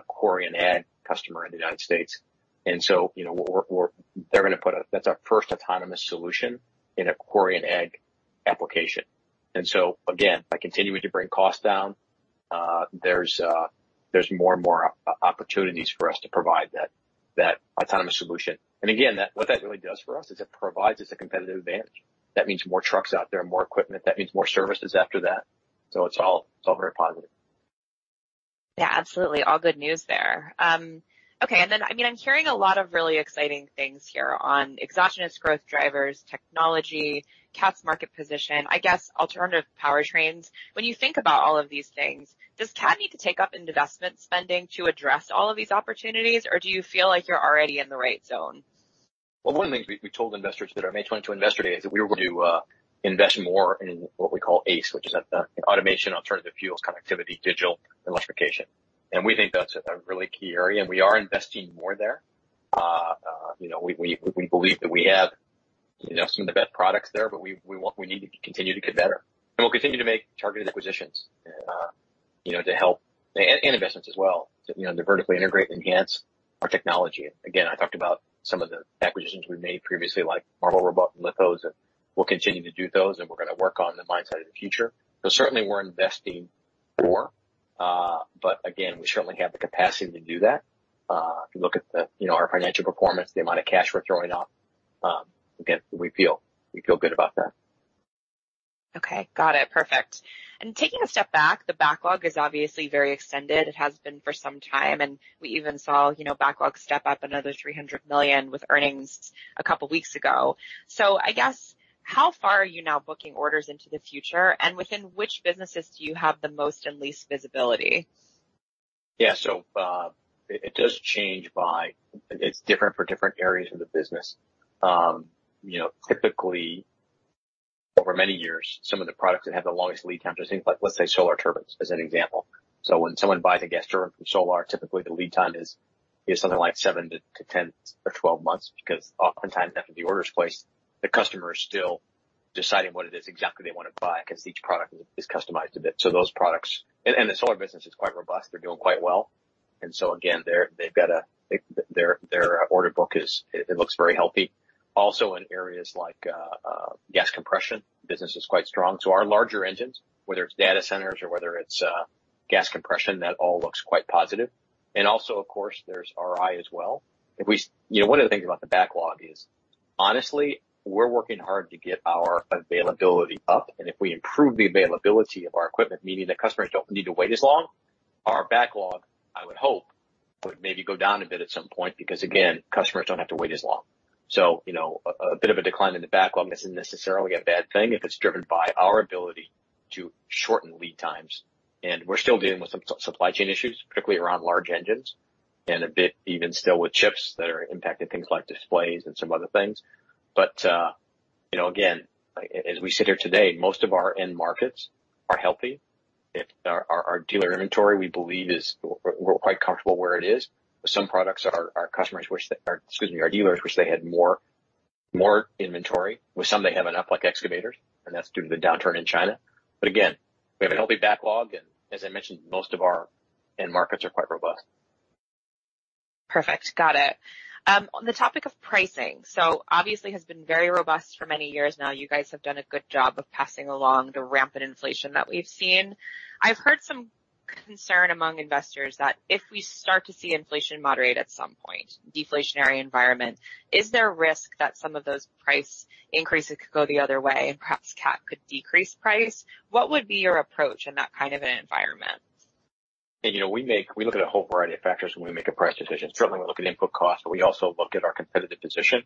Speaker 3: quarry and ag customer in the United States. You know, we're that's our first autonomous solution in a quarry and ag application. Again, by continuing to bring costs down, there's, there's more and more opportunities for us to provide that, that autonomous solution. Again, that, what that really does for us is it provides us a competitive advantage. That means more trucks out there, more equipment. That means more services after that. It's all, it's all very positive.
Speaker 1: Yeah, absolutely. All good news there. Okay, then, I mean, I'm hearing a lot of really exciting things here on exogenous growth drivers, technology, Cat's market position, I guess alternative powertrains. When you think about all of these things, does Cat need to take up investment spending to address all of these opportunities, or do you feel like you're already in the right zone?
Speaker 3: Well, one of the things we, we told investors at our May 22 Investor Day is that we were going to invest more in what we call AACE, which is at the automation, alternative fuels, connectivity, digital, electrification. We think that's a really key area, and we are investing more there. you know, we, we, we believe that we have, you know, some of the best products there, but we need to continue to get better. We'll continue to make targeted acquisitions, you know, to help, and, and investments as well, to, you know, to vertically integrate and enhance our technology. Again, I talked about some of the acquisitions we made previously, like Marble Robot and Lithos, and we'll continue to do those, and we're gonna work on the mine site of the future. Certainly we're investing more, but again, we certainly have the capacity to do that. If you look at the, you know, our financial performance, the amount of cash we're throwing off, again, we feel, we feel good about that.
Speaker 1: Okay, got it. Perfect. Taking a step back, the backlog is obviously very extended. It has been for some time, we even saw, you know, backlog step up another $300 million with earnings a couple weeks ago. I guess, how far are you now booking orders into the future, and within which businesses do you have the most and least visibility?
Speaker 3: Yeah. It does change by, it's different for different areas of the business. You know, typically, over many years, some of the products that have the longest lead time, I think, like, let's say, Solar Turbines, as an example. When someone buys a gas turbine from Solar, typically the lead time is, is something like seven to 10 or 12 months because oftentimes after the order is placed, the customer is still deciding what it is exactly they want to buy because each product is, is customized a bit. Those products, and the Solar business is quite robust. They're doing quite well. Again, they've got a, their order book is, it looks very healthy. Also, in areas like gas compression, business is quite strong. Our larger engines, whether it's data centers or whether it's gas compression, that all looks quite positive. Also, of course, there's RI as well. You know, one of the things about the backlog is, honestly, we're working hard to get our availability up, and if we improve the availability of our equipment, meaning that customers don't need to wait as long, our backlog, I would hope, would maybe go down a bit at some point, because, again, customers don't have to wait as long. You know, a bit of a decline in the backlog isn't necessarily a bad thing if it's driven by our ability to shorten lead times. We're still dealing with some supply chain issues, particularly around large engines and a bit even still with chips that are impacting things like displays and some other things. You know, again, as we sit here today, most of our end markets are healthy. Our dealer inventory, we believe, is we're quite comfortable where it is. Some products our, our customers wish, or excuse me, our dealers wish they had more, more inventory. With some, they have enough, like excavators, and that's due to the downturn in China. Again, we have a healthy backlog, and as I mentioned, most of our end markets are quite robust.
Speaker 1: Perfect. Got it. On the topic of pricing, obviously has been very robust for many years now. You guys have done a good job of passing along the rampant inflation that we've seen. I've heard some concern among investors that if we start to see inflation moderate at some point, deflationary environment, is there a risk that some of those price increases could go the other way and perhaps Cat could decrease price? What would be your approach in that kind of an environment?
Speaker 3: You know, we look at a whole variety of factors when we make a price decision. Certainly, we look at input costs, but we also look at our competitive position.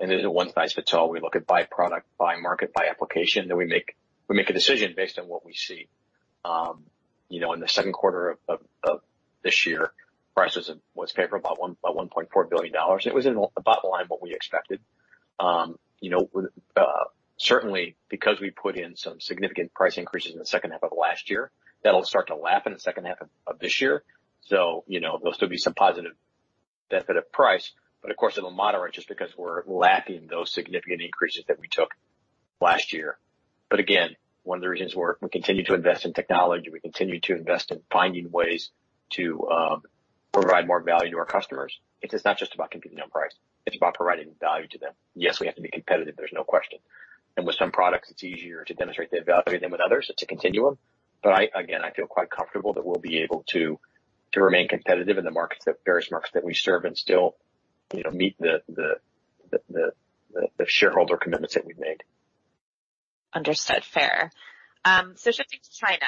Speaker 3: There's a one-size-fits-all. We look at by product, by market, by application, then we make a decision based on what we see. You know, in the second quarter of this year, prices was favorable about $1.4 billion. It was in about the line what we expected. You know, certainly, because we put in some significant price increases in the second half of last year, that'll start to lap in the second half of this year. You know, there'll still be some positive benefit of price, but of course, it'll moderate just because we're lapping those significant increases that we took last year. Again, one of the reasons we continue to invest in technology, we continue to invest in finding ways to provide more value to our customers. It is not just about competing on price. It's about providing value to them. Yes, we have to be competitive, there's no question. With some products, it's easier to demonstrate the value than with others. It's a continuum, but I, again, I feel quite comfortable that we'll be able to, to remain competitive in the markets that, various markets that we serve and still, you know, meet the shareholder commitments that we've made.
Speaker 1: Understood. Fair. Shifting to China.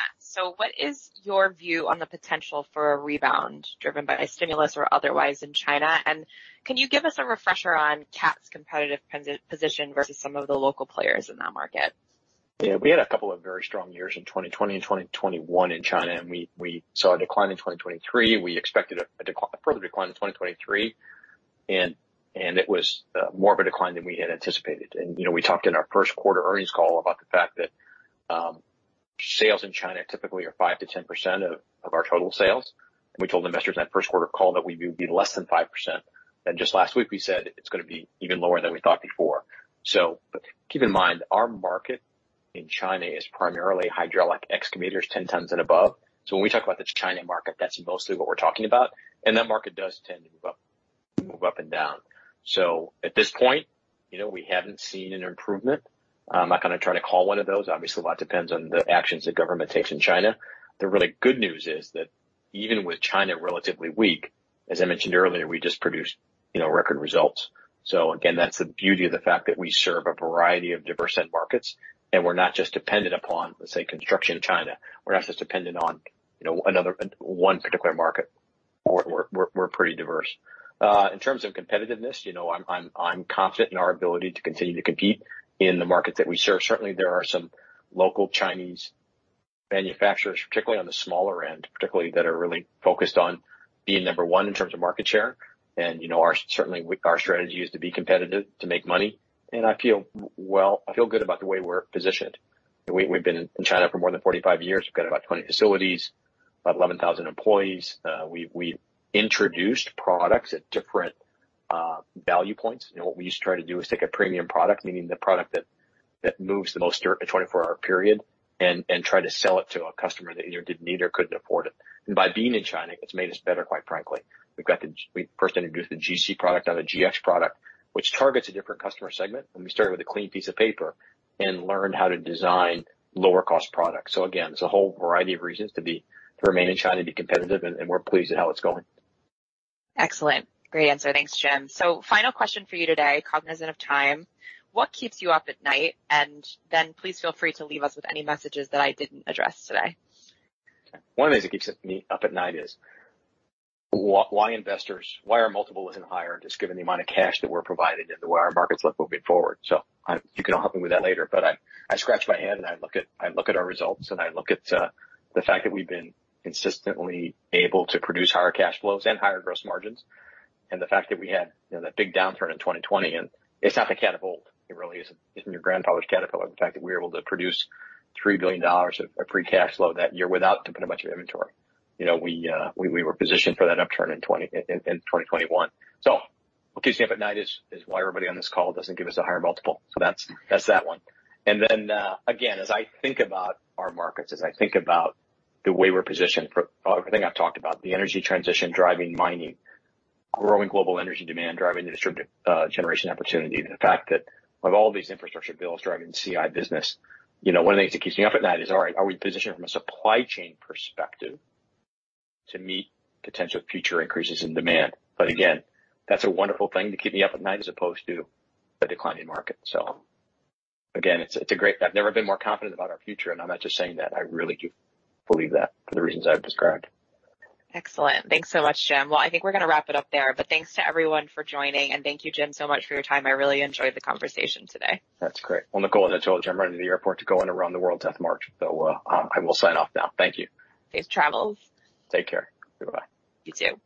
Speaker 1: What is your view on the potential for a rebound driven by stimulus or otherwise in China? Can you give us a refresher on Cat's competitive position versus some of the local players in that market?
Speaker 3: Yeah, we had a couple of very strong years in 2020 and 2021 in China. We saw a decline in 2023. We expected a decline, a further decline in 2023. It was more of a decline than we had anticipated. You know, we talked in our first quarter earnings call about the fact that sales in China typically are 5%-10% of our total sales. We told investors in that first quarter call that we would be less than 5%. Just last week, we said it's gonna be even lower than we thought before. Keep in mind, our market in China is primarily hydraulic excavators, 10 tons and above. When we talk about the China market, that's mostly what we're talking about, and that market does tend to move up, move up and down. At this point, you know, we haven't seen an improvement. I'm not gonna try to call one of those. Obviously, a lot depends on the actions the government takes in China. The really good news is that even with China relatively weak, as I mentioned earlier, we just produced, you know, record results. Again, that's the beauty of the fact that we serve a variety of diverse end markets, and we're not just dependent upon, let's say, construction in China. We're not just dependent on, you know, another, one particular market. We're, we're, we're, we're pretty diverse. In terms of competitiveness, you know, I'm, I'm, I'm confident in our ability to continue to compete in the markets that we serve. Certainly, there are some local Chinese manufacturers, particularly on the smaller end, particularly that are really focused on being number one in terms of market share. You know, our. Certainly, our strategy is to be competitive, to make money, and I feel, well, I feel good about the way we're positioned. We've been in China for more than 45 years. We've got about 20 facilities, about 11,000 employees. We've introduced products at different value points. You know, what we used to try to do is take a premium product, meaning the product that moves the most during a 24-hour period, and try to sell it to a customer that either didn't need or couldn't afford it. By being in China, it's made us better, quite frankly. We've got we first introduced the GC product, now the GX product, which targets a different customer segment. We started with a clean piece of paper and learned how to design lower-cost products. Again, there's a whole variety of reasons to be, to remain in China, to be competitive, and, and we're pleased at how it's going.
Speaker 1: Excellent! Great answer. Thanks, Jim. Final question for you today, cognizant of time. What keeps you up at night? Then please feel free to leave us with any messages that I didn't address today.
Speaker 3: One of the things that keeps me up at night is why investors, why our multiple isn't higher, just given the amount of cash that we're providing and the way our markets look moving forward. You can all help me with that later, but I, I scratch my head, and I look at, I look at our results, and I look at the fact that we've been consistently able to produce higher cash flows and higher gross margins, and the fact that we had, you know, that big downturn in 2020, and it's not the Caterpillar. It really isn't, isn't your grandfather's Caterpillar. The fact that we were able to produce $3 billion of, of free cash flow that year without putting a bunch of inventory. You know, we, we were positioned for that upturn in 2020, in 2021. What keeps me up at night is why everybody on this call doesn't give us a higher multiple. That's, that's that one. Again, as I think about our markets, as I think about the way we're positioned for everything I've talked about, the energy transition, driving mining, growing global energy demand, driving the distributed generation opportunity, the fact that with all these infrastructure bills driving the CI business, you know, one of the things that keeps me up at night is, all right, are we positioned from a supply chain perspective to meet potential future increases in demand? Again, that's a wonderful thing to keep me up at night as opposed to a declining market. Again, I've never been more confident about our future, and I'm not just saying that. I really do believe that for the reasons I've described.
Speaker 1: Excellent. Thanks so much, Jim. Well, I think we're gonna wrap it up there, but thanks to everyone for joining, and thank you, Jim, so much for your time. I really enjoyed the conversation today.
Speaker 3: That's great. Well, Nicole, as I told you, I'm running to the airport to go and around the world Death March. I will sign off now. Thank you.
Speaker 1: Safe travels.
Speaker 3: Take care. Goodbye.
Speaker 1: You too.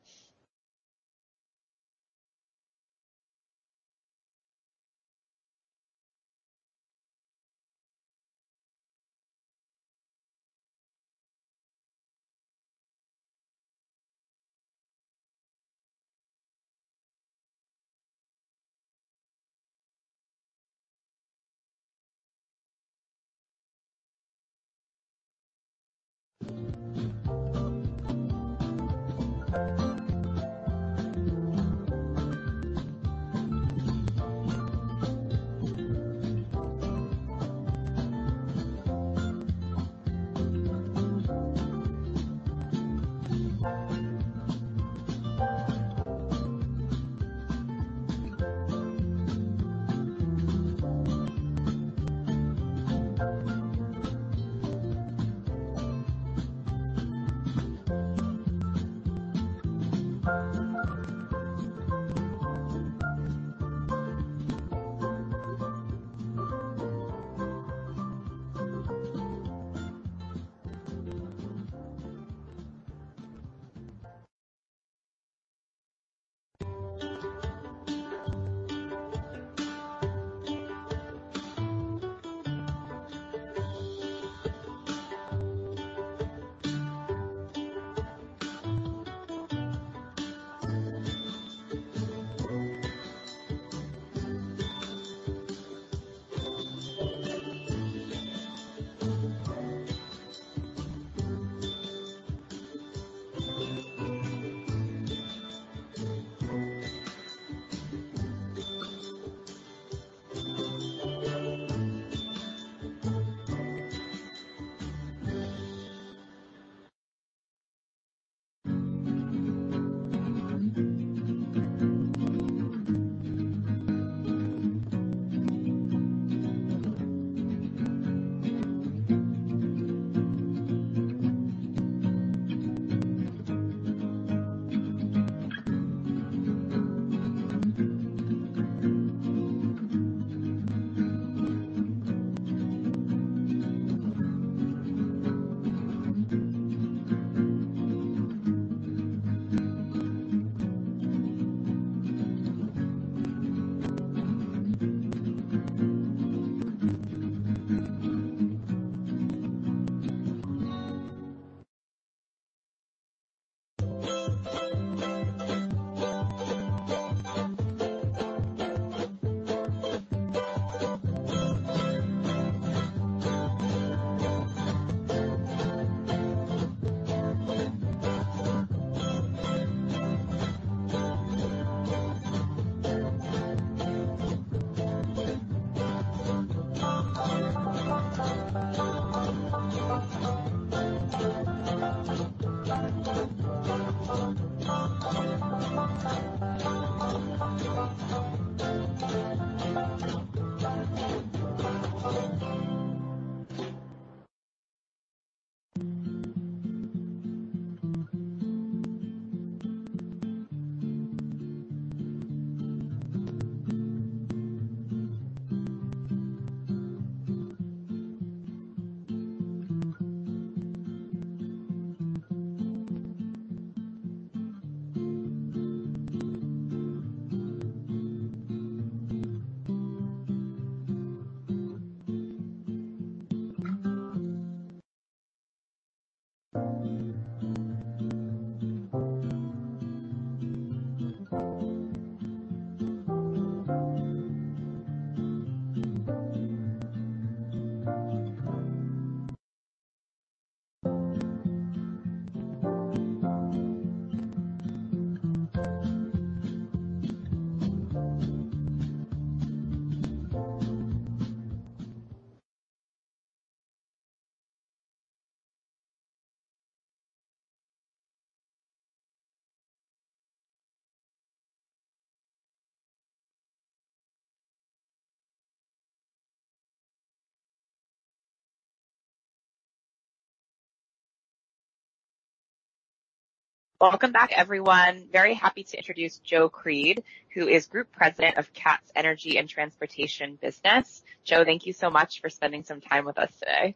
Speaker 1: Welcome back, everyone. Very happy to introduce Joe Creed, who is Group President of Cat's Energy & Transportation business. Joe, thank you so much for spending some time with us today.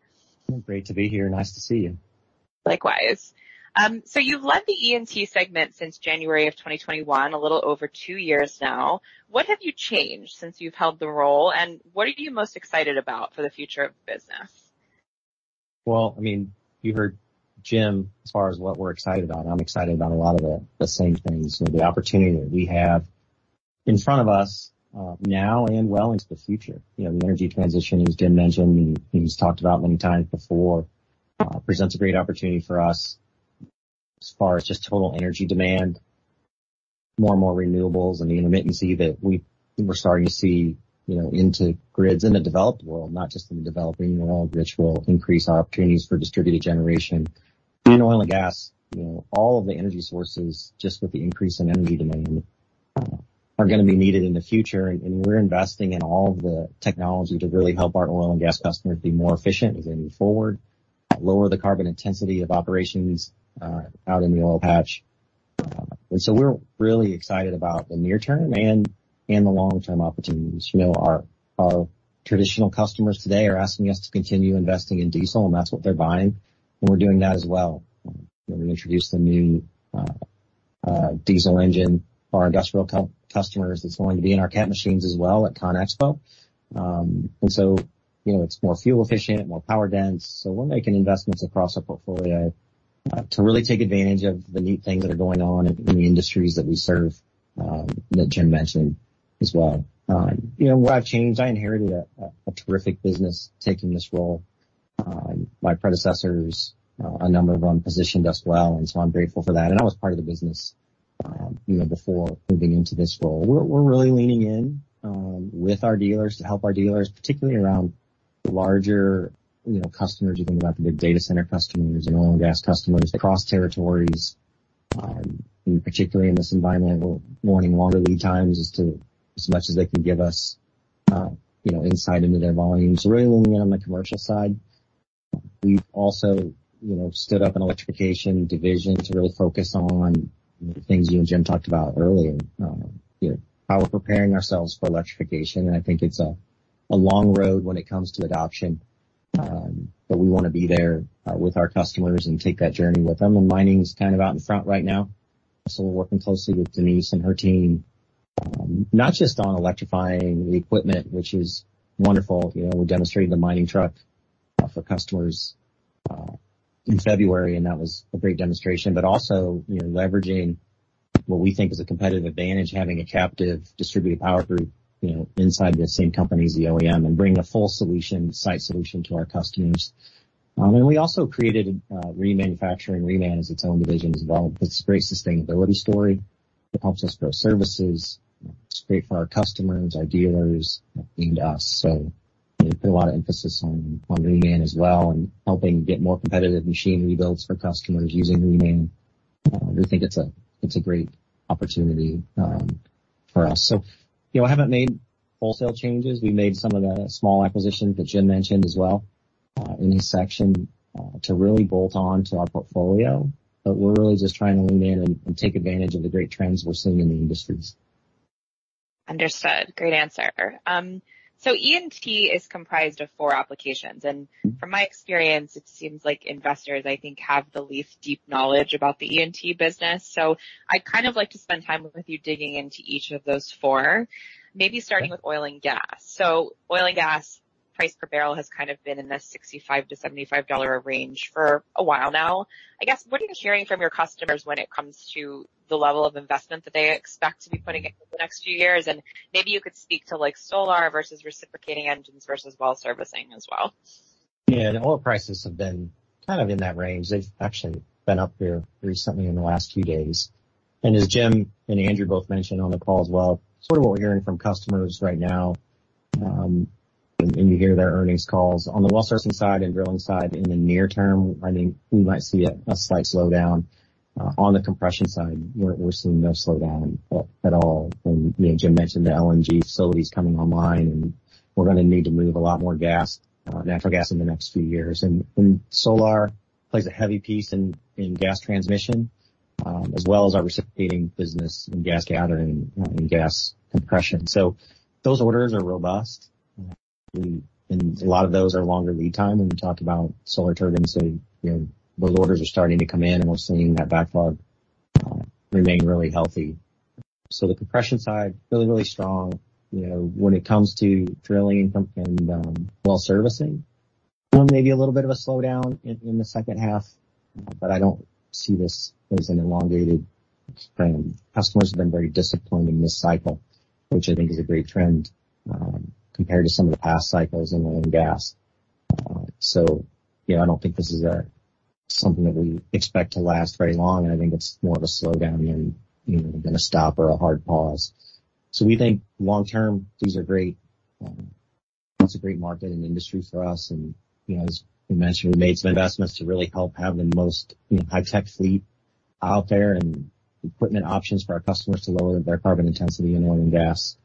Speaker 4: Great to be here. Nice to see you.
Speaker 1: Likewise. You've led the E&T segment since January of 2021, a little over two years now. What have you changed since you've held the role, and what are you most excited about for the future of the business?
Speaker 4: Well, I mean, you heard Jim. As far as what we're excited about, I'm excited about a lot of the, the same things. You know, the opportunity that we have in front of us, now and well into the future. You know, the energy transition, as Jim mentioned, and he's talked about many times before, presents a great opportunity for us as far as just total energy demand. More and more renewables and the intermittency that we- we're starting to see, you know, into grids in the developed world, not just in the developing world, which will increase opportunities for distributed generation. In Oil & Gas, you know, all of the energy sources, just with the increase in energy demand, are gonna be needed in the future, and, and we're investing in all of the technology to really help our Oil & Gas customers be more efficient as they move forward, lower the carbon intensity of operations, out in the oil patch. And so we're really excited about the near term and, and the long-term opportunities. You know, our, our traditional customers today are asking us to continue investing in diesel, and that's what they're buying, and we're doing that as well. We introduced a new diesel engine for our industrial customers that's going to be in our Cat machines as well at CONEXPO. You know, it's more fuel efficient, more power dense, we're making investments across our portfolio to really take advantage of the neat things that are going on in the industries that we serve that Jim mentioned as well. You know, what I've changed, I inherited a terrific business taking this role. My predecessors, a number of them positioned us well. I'm grateful for that. I was part of the business, you know, before moving into this role. We're really leaning in with our dealers to help our dealers, particularly around larger, you know, customers. You think about the big data center customers and Oil & Gas customers across territories, particularly in this environmental warning, longer lead times as to as much as they can give us, you know, insight into their volumes. Really leaning in on the commercial side. We've also, you know, stood up an electrification division to really focus on the things you and Jim talked about earlier. You know, how we're preparing ourselves for electrification, I think it's a long road when it comes to adoption. We want to be there with our customers and take that journey with them. Mining is kind of out in front right now, we're working closely with Denise and her team, not just on electrifying the equipment, which is wonderful. You know, we demonstrated the mining truck for customers in February. That was a great demonstration. Also, you know, leveraging what we think is a competitive advantage, having a captive distributed power group, you know, inside the same company as the OEM and bringing a full solution, site solution to our customers. We also created remanufacturing, Reman as its own division as well. It's a great sustainability story. It helps us grow services. It's great for our customers, our dealers, and us. We put a lot of emphasis on Reman as well and helping get more competitive machine rebuilds for customers using Reman. We think it's a great opportunity for us. You know, I haven't made wholesale changes. We made some of the small acquisitions that Jim mentioned as well, in his section, to really bolt on to our portfolio, but we're really just trying to lean in and, and take advantage of the great trends we're seeing in the industries.
Speaker 1: Understood. Great answer. E&T is comprised of four applications, and from my experience, it seems like investors, I think, have the least deep knowledge about the E&T business. I'd kind of like to spend time with you digging into each of those four, maybe starting with Oil & Gas. Oil & Gas price per barrel has kind of been in the $65-$75 range for a while now. I guess, what are you hearing from your customers when it comes to the level of investment that they expect to be putting in over the next few years? And maybe you could speak to, like, Solar versus reciprocating engines versus well servicing as well.
Speaker 4: Yeah, the oil prices have been kind of in that range. They've actually been up here recently in the last few days. As Jim and Andrew both mentioned on the call as well, sort of what we're hearing from customers right now, and you hear their earnings calls. On the well servicing side and drilling side, in the near term, I think we might see a, a slight slowdown. On the compression side, we're, we're seeing no slowdown at, at all. You know, Jim mentioned the LNG facilities coming online, and we're gonna need to move a lot more gas, natural gas in the next few years. Solar plays a heavy piece in, in gas transmission, as well as our reciprocating business in gas gathering and gas compression. Those orders are robust, and a lot of those are longer lead time. When we talk about Solar Turbines, you know, those orders are starting to come in, and we're seeing that backlog remain really healthy. The compression side, really, really strong. You know, when it comes to drilling and well servicing, maybe a little bit of a slowdown in, in the second half, but I don't see this as an elongated trend. Customers have been very disciplined in this cycle, which I think is a great trend, compared to some of the past cycles in Oil & Gas. You know, I don't think this is a something that we expect to last very long, and I think it's more of a slowdown than, you know, than a stop or a hard pause. We think long term, these are great. That's a great market and industry for us, and, you know, as we mentioned, we've made some investments to really help have the most, you know, high-tech fleet out there and equipment options for our customers to lower their carbon intensity in Oil & Gas.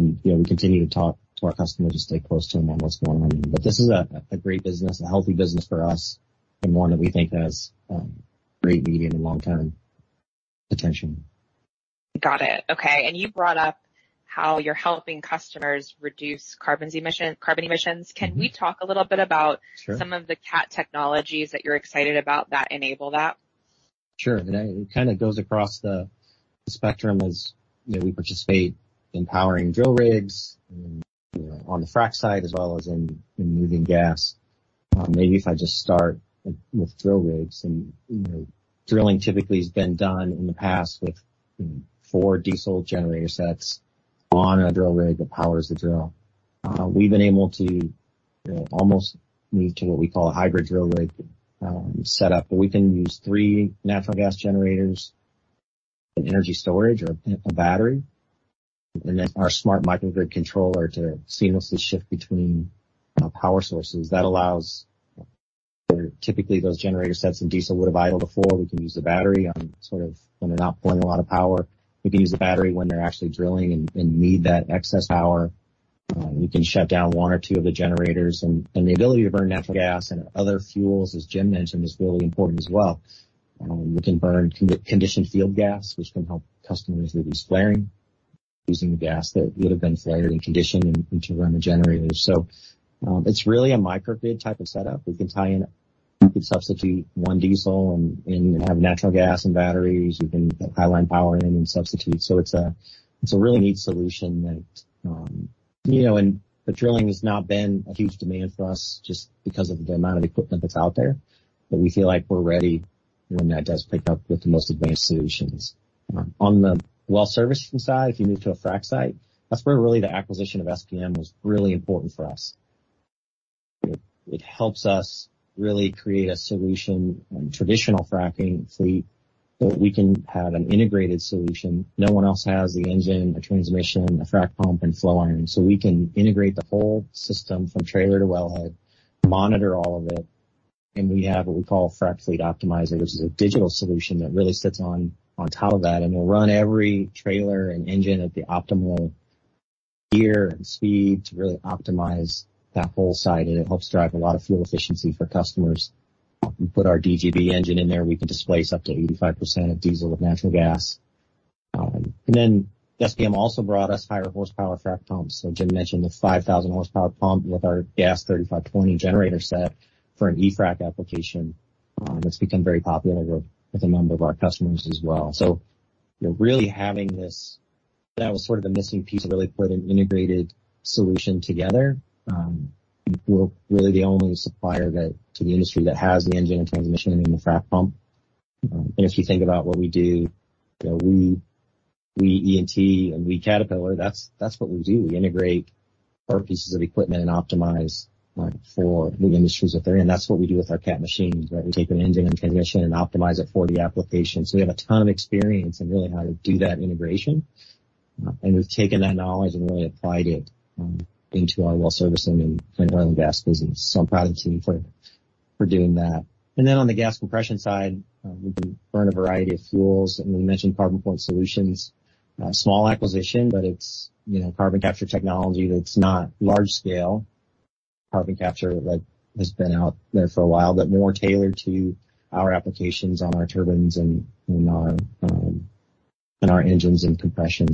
Speaker 4: We continue to talk to our customers to stay close to them on what's going on. This is a, a great business, a healthy business for us, and one that we think has great medium and long-term potential.
Speaker 1: Got it. Okay, and you brought up how you're helping customers reduce carbons emission, carbon emissions.
Speaker 4: Mm-hmm.
Speaker 1: Can we talk a little bit about-
Speaker 4: Sure.
Speaker 1: some of the Cat technologies that you're excited about that enable that?
Speaker 4: Sure. It kind of goes across the spectrum as, you know, we participate in powering drill rigs and, you know, on the frack side, as well as in, in moving gas. Maybe if I just start with, with drill rigs and, you know, drilling typically has been done in the past with, you know, four diesel generator sets on a drill rig that powers the drill. We've been able to, you know, almost move to what we call a hybrid drill rig, setup, where we can use three natural gas generators and energy storage or a battery, and then our smart microgrid controller to seamlessly shift between power sources. That allows, where typically those generator sets and diesel would have idled before, we can use the battery on sort of when they're not pulling a lot of power. We can use the battery when they're actually drilling and need that excess power. We can shut down one or two of the generators. The ability to burn natural gas and other fuels, as Jim mentioned, is really important as well. We can burn conditioned field gas, which can help customers reduce flaring, using the gas that would have been flared and conditioned and to run the generators. It's really a microgrid type of setup. We can tie in. We could substitute one diesel and have natural gas and batteries. We can highline power in and substitute, it's a really neat solution that, you know, the drilling has not been a huge demand for us just because of the amount of equipment that's out there. We feel like we're ready when that does pick up with the most advanced solutions. On the well servicing side, if you move to a frack site, that's where really the acquisition of SPM was really important for us. It helps us really create a solution on traditional fracking fleet, but we can have an integrated solution. No one else has the engine, the transmission, the frack pump, and flow iron. We can integrate the whole system from trailer to wellhead, monitor all of it, and we have what we call Frac Fleet Optimizer, which is a digital solution that really sits on top of that. It'll run every trailer and engine at the optimal gear and speed to really optimize that whole site, and it helps drive a lot of fuel efficiency for customers. We put our DGB engine in there, we can displace up to 85% of diesel with natural gas. SPM also brought us higher horsepower frac pumps. Jim mentioned the 5,000 horsepower pump with our G3520 generator set for an e-frac application. That's become very popular with a number of our customers as well. You're really having this. That was sort of a missing piece to really put an integrated solution together. We're really the only supplier that, to the industry, that has the engine and transmission and the frac pump. If you think about what we do, you know, we, we E&T and we, Caterpillar, that's, that's what we do. We integrate our pieces of equipment and optimize for the industries that they're in. That's what we do with our Cat machines, right? We take an engine and transmission and optimize it for the application. We have a ton of experience in really how to do that integration, and we've taken that knowledge and really applied it into our well Servicing and Oil & Gas business. I'm proud of the team for doing that. Then on the gas compression side, we can burn a variety of fuels, and we mentioned CarbonPoint Solutions. Small acquisition, but it's, you know, carbon capture technology that's not large scale. Carbon capture, like, has been out there for a while, but more tailored to our applications on our turbines and our engines and compression.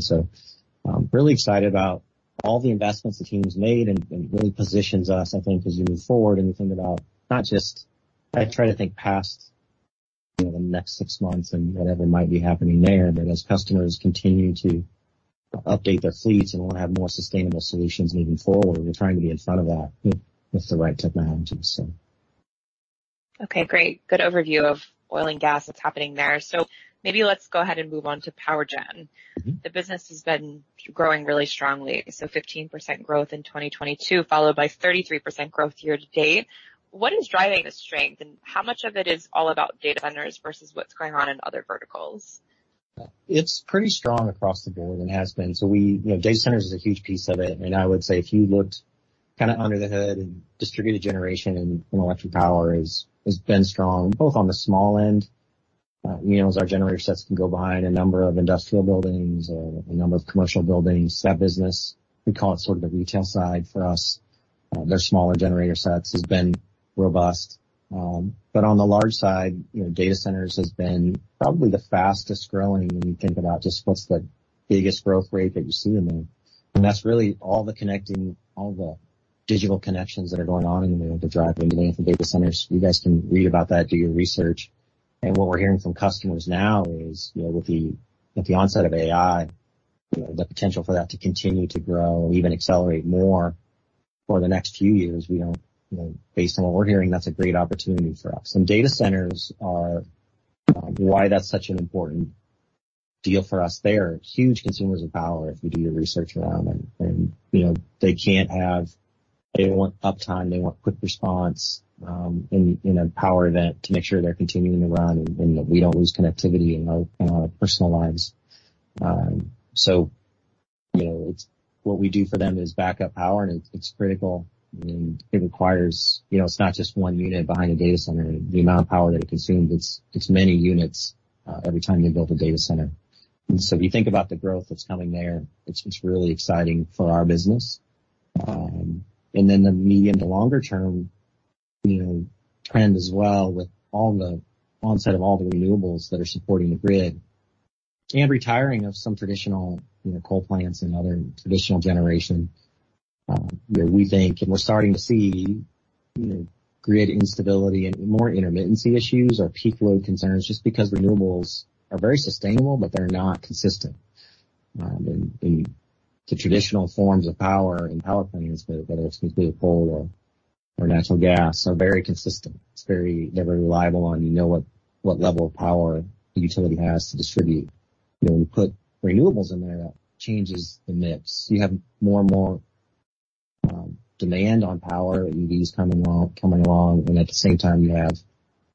Speaker 4: I'm really excited about all the investments the team has made and really positions us, I think, as we move forward and we think about not just. I try to think past, you know, the next six months and whatever might be happening there. As customers continue to update their fleets and want to have more sustainable solutions moving forward, we're trying to be in front of that with the right technologies.
Speaker 1: Okay, great. Good overview of Oil & Gas, what's happening there. Maybe let's go ahead and move on to power gen.
Speaker 4: Mm-hmm.
Speaker 1: The business has been growing really strongly, so 15% growth in 2022, followed by 33% growth year to date. What is driving the strength, and how much of it is all about data centers versus what's going on in other verticals?
Speaker 4: It's pretty strong across the board and has been. We, you know, data centers is a huge piece of it, and I would say if you looked kind of under the hood and distributed generation and, and electric power is, has been strong, both on the small end. You know, as our generator sets can go behind a number of industrial buildings or a number of commercial buildings. That business, we call it sort of the retail side for us, their smaller generator sets has been robust. But on the large side, you know, data centers has been probably the fastest growing when you think about just what's the biggest growth rate that you see in there. That's really all the connecting, all the digital connections that are going on in the world to drive the need for data centers. You guys can read about that, do your research. What we're hearing from customers now is, you know, with the, with the onset of AI, you know, the potential for that to continue to grow, even accelerate more for the next few years. We don't, you know. Based on what we're hearing, that's a great opportunity for us. Data centers are why that's such an important deal for us. They are huge consumers of power, if you do your research around them. You know, they want uptime, they want quick response, in a power event to make sure they're continuing to run and, and that we don't lose connectivity in our, in our personal lives. You know, it's what we do for them is backup power, and it's, it's critical, and it requires, you know, it's not just one unit behind a data center. The amount of power that it consumes, it's, it's many units, every time they build a data center. So if you think about the growth that's coming there, it's just really exciting for our business. Then the medium to longer term, you know, trend as well, with all the onset of all the renewables that are supporting the grid and retiring of some traditional, you know, coal plants and other traditional generation, you know, we think and we're starting to see, you know, grid instability and more intermittency issues or peak load concerns just because renewables are very sustainable, but they're not consistent. The, the traditional forms of power and power plants, whether it's going to be a coal or, or natural gas, are very consistent. It's very, they're very reliable, and you know what, what level of power the utility has to distribute. You know, when you put renewables in there, that changes the mix. You have more and more demand on power, EVs coming along, coming along, and at the same time, you have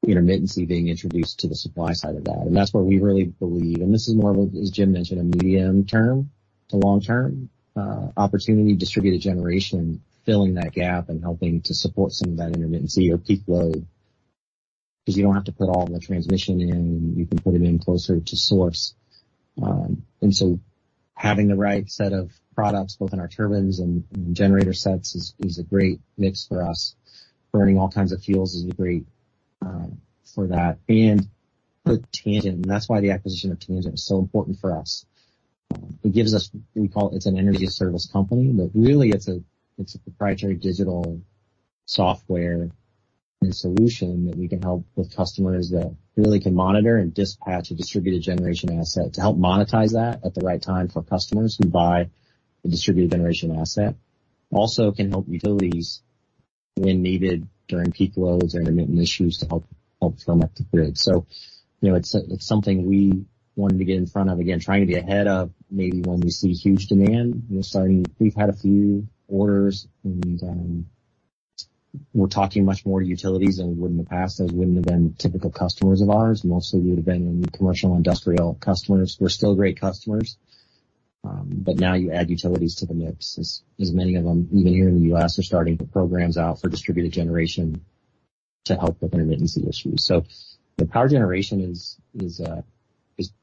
Speaker 4: intermittency being introduced to the supply side of that. That's where we really believe, and this is more of, as Jim mentioned, a medium-term to long-term opportunity, distributed generation, filling that gap and helping to support some of that intermittency or peak load. 'Cause you don't have to put all the transmission in, you can put it in closer to source. Having the right set of products, both in our turbines and generator sets is a great mix for us. Burning all kinds of fuels is a great for that. For Tangent, and that's why the acquisition of Tangent is so important for us. It gives us, we call it, it's an energy service company, but really it's a proprietary digital software and solution that we can help with customers that really can monitor and dispatch a distributed generation asset to help monetize that at the right time for customers who buy the distributed generation asset. Also, can help utilities when needed during peak loads or intermittent issues to help firm up the grid. You know, it's something we wanted to get in front of. Again, trying to be ahead of maybe when we see huge demand. We're starting. We've had a few orders, we're talking much more to utilities than we would in the past. Those wouldn't have been typical customers of ours. Mostly would have been commercial and industrial customers, who are still great customers, but now you add utilities to the mix. As many of them, even here in the U.S., are starting to put programs out for distributed generation to help with intermittency issues. The power generation is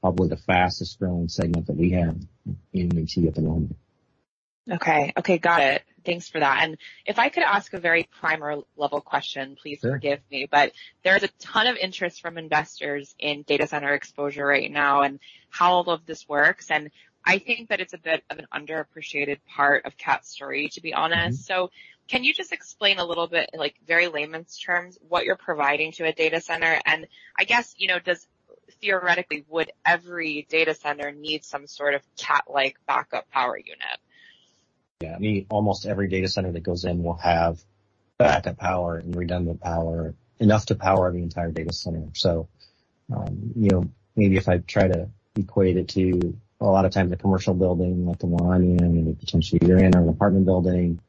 Speaker 4: probably the fastest-growing segment that we have in E&T at the moment.
Speaker 1: Okay. Okay, got it. Thanks for that. If I could ask a very primer-level question-
Speaker 4: Sure.
Speaker 1: Please forgive me, but there is a ton of interest from investors in data center exposure right now and how all of this works, and I think that it's a bit of an underappreciated part of Cat's story, to be honest.
Speaker 4: Mm-hmm.
Speaker 1: Can you just explain a little bit, in, like, very layman's terms, what you're providing to a data center? I guess, you know, theoretically, would every data center need some sort of Cat-like backup power unit?
Speaker 4: Yeah, I mean, almost every data center that goes in will have backup power and redundant power, enough to power the entire data center. You know, maybe if I try to equate it to a lot of times a commercial building, like the one you're in, or potentially you're in, or an apartment building,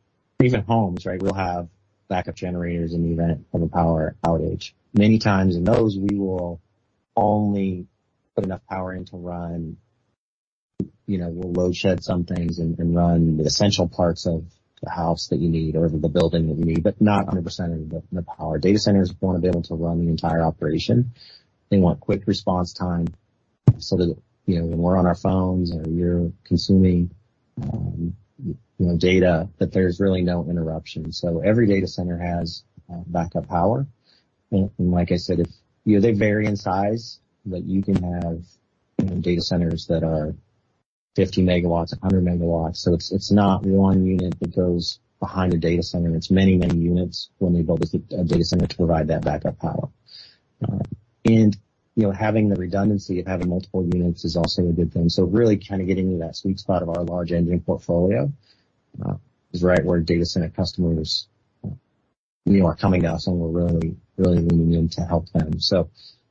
Speaker 4: or even homes, right, will have backup generators in the event of a power outage. Many times in those, we will only put enough power in to run, you know, we'll load shed some things and, and run the essential parts of the house that you need or the building that you need, but not 100% of the, the power. Data centers want to be able to run the entire operation. They want quick response time so that, you know, when we're on our phones or you're consuming, you know, data, that there's really no interruption. Every data center has backup power. Like I said, you know, they vary in size, but you can have, you know, data centers that are 50 MW, 100 MW. It's not one unit that goes behind a data center. It's many, many units when they build a data center to provide that backup power. You know, having the redundancy of having multiple units is also a good thing. Really kind of getting to that sweet spot of our large engine portfolio is right where data center customers, you know, are coming to us, and we're really, really leaning in to help them.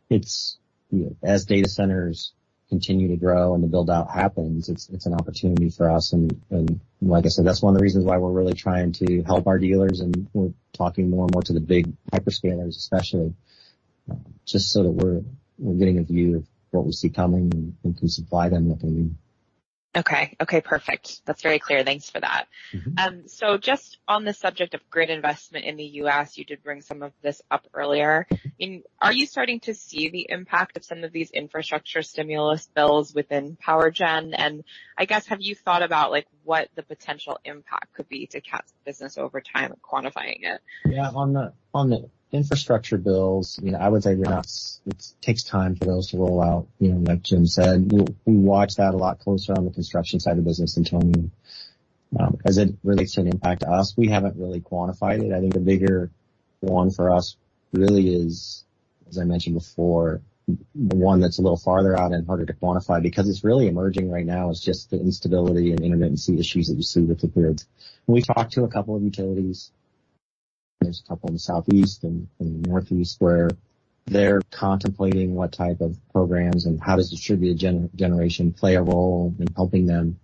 Speaker 4: It's, you know, as data centers continue to grow and the build-out happens, it's, it's an opportunity for us, and, and like I said, that's one of the reasons why we're really trying to help our dealers, and we're talking more and more to the big hyperscalers, especially, just so that we're, we're getting a view of what we see coming and can supply them with what we need.
Speaker 1: Okay. Okay, perfect. That's very clear. Thanks for that.
Speaker 4: Mm-hmm.
Speaker 1: just on the subject of grid investment in the U.S., you did bring some of this up earlier. Are you starting to see the impact of some of these infrastructure stimulus bills within PowerGen? I guess, have you thought about, like, what the potential impact could be to Cat's business over time and quantifying it?
Speaker 4: Yeah, on the, on the infrastructure bills, you know, I would say it takes time for those to roll out. You know, like Jim said, we'll, we watch that a lot closer on the construction side of the business than Tony. As it relates to an impact to us, we haven't really quantified it. I think the bigger one for us really is, as I mentioned before, one that's a little farther out and harder to quantify because it's really emerging right now. It's just the instability and intermittency issues that we see with the grids. We've talked to a couple of utilities. There's a couple in the southeast and the northeast where they're contemplating what type of programs and how does distributed generation play a role in helping them?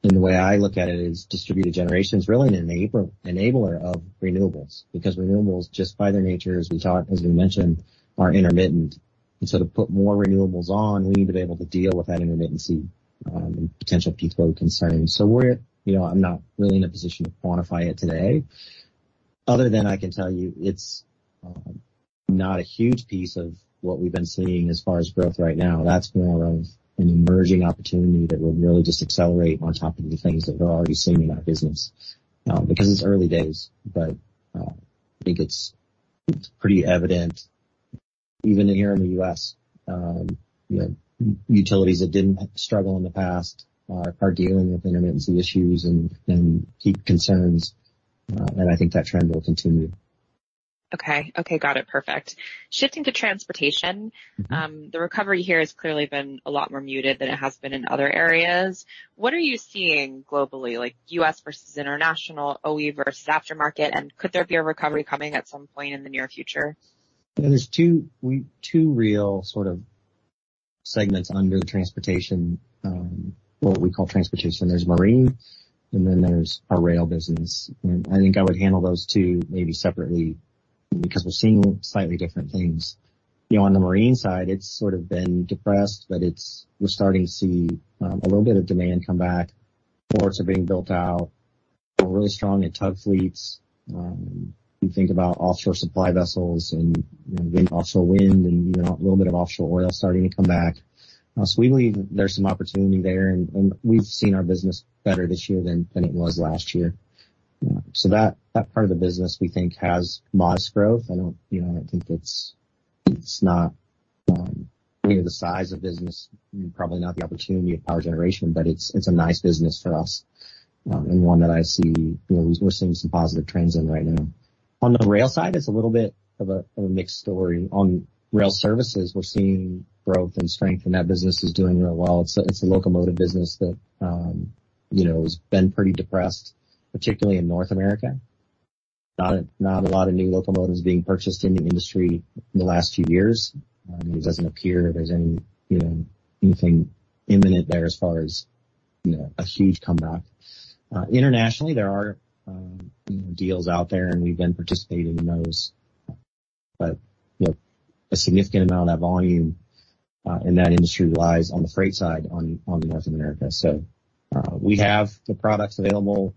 Speaker 4: The way I look at it is distributed generation is really an enabler, enabler of renewables, because renewables, just by their nature, as we talked- as we mentioned, are intermittent. To put more renewables on, we need to be able to deal with that intermittency, and potential peak load concerns. We're, you know, I'm not really in a position to quantify it today, other than I can tell you, it's not a huge piece of what we've been seeing as far as growth right now. That's more of an emerging opportunity that will really just accelerate on top of the things that we're already seeing in our business, because it's early days. I think it's, it's pretty evident, even here in the U.S., you know, utilities that didn't struggle in the past are, are dealing with intermittency issues and, and peak concerns, and I think that trend will continue.
Speaker 1: Okay. Okay, got it, perfect. Shifting to transportation.
Speaker 4: Mm-hmm.
Speaker 1: The recovery here has clearly been a lot more muted than it has been in other areas. What are you seeing globally, like U.S. versus international, OE versus aftermarket, could there be a recovery coming at some point in the near future?
Speaker 4: Yeah, there's two real sort of segments under the transportation, what we call transportation. There's marine, then there's our rail business, and I think I would handle those two maybe separately because we're seeing slightly different things. You know, on the marine side, it's sort of been depressed, but we're starting to see a little bit of demand come back. Ports are being built out. We're really strong in tug fleets. You think about offshore supply vessels and, you know, even offshore wind and, you know, a little bit of offshore oil starting to come back. We believe there's some opportunity there, and we've seen our business better this year than it was last year. That part of the business, we think, has modest growth. I don't, you know, I don't think it's, it's not, you know, the size of business, probably not the opportunity of power generation, but it's, it's a nice business for us, and one that I see, you know, we're seeing some positive trends in right now. On the rail side, it's a little bit of a, of a mixed story. On rail services, we're seeing growth and strength, that business is doing real well. It's a, it's a locomotive business that, you know, has been pretty depressed, particularly in North America. Not a, not a lot of new locomotives being purchased in the industry in the last few years. It doesn't appear there's any, you know, anything imminent there as far as, you know, a huge comeback. Internationally, there are, you know, deals out there, we've been participating in those. You know, a significant amount of that volume in that industry lies on the freight side, on, on the North America. We have the products available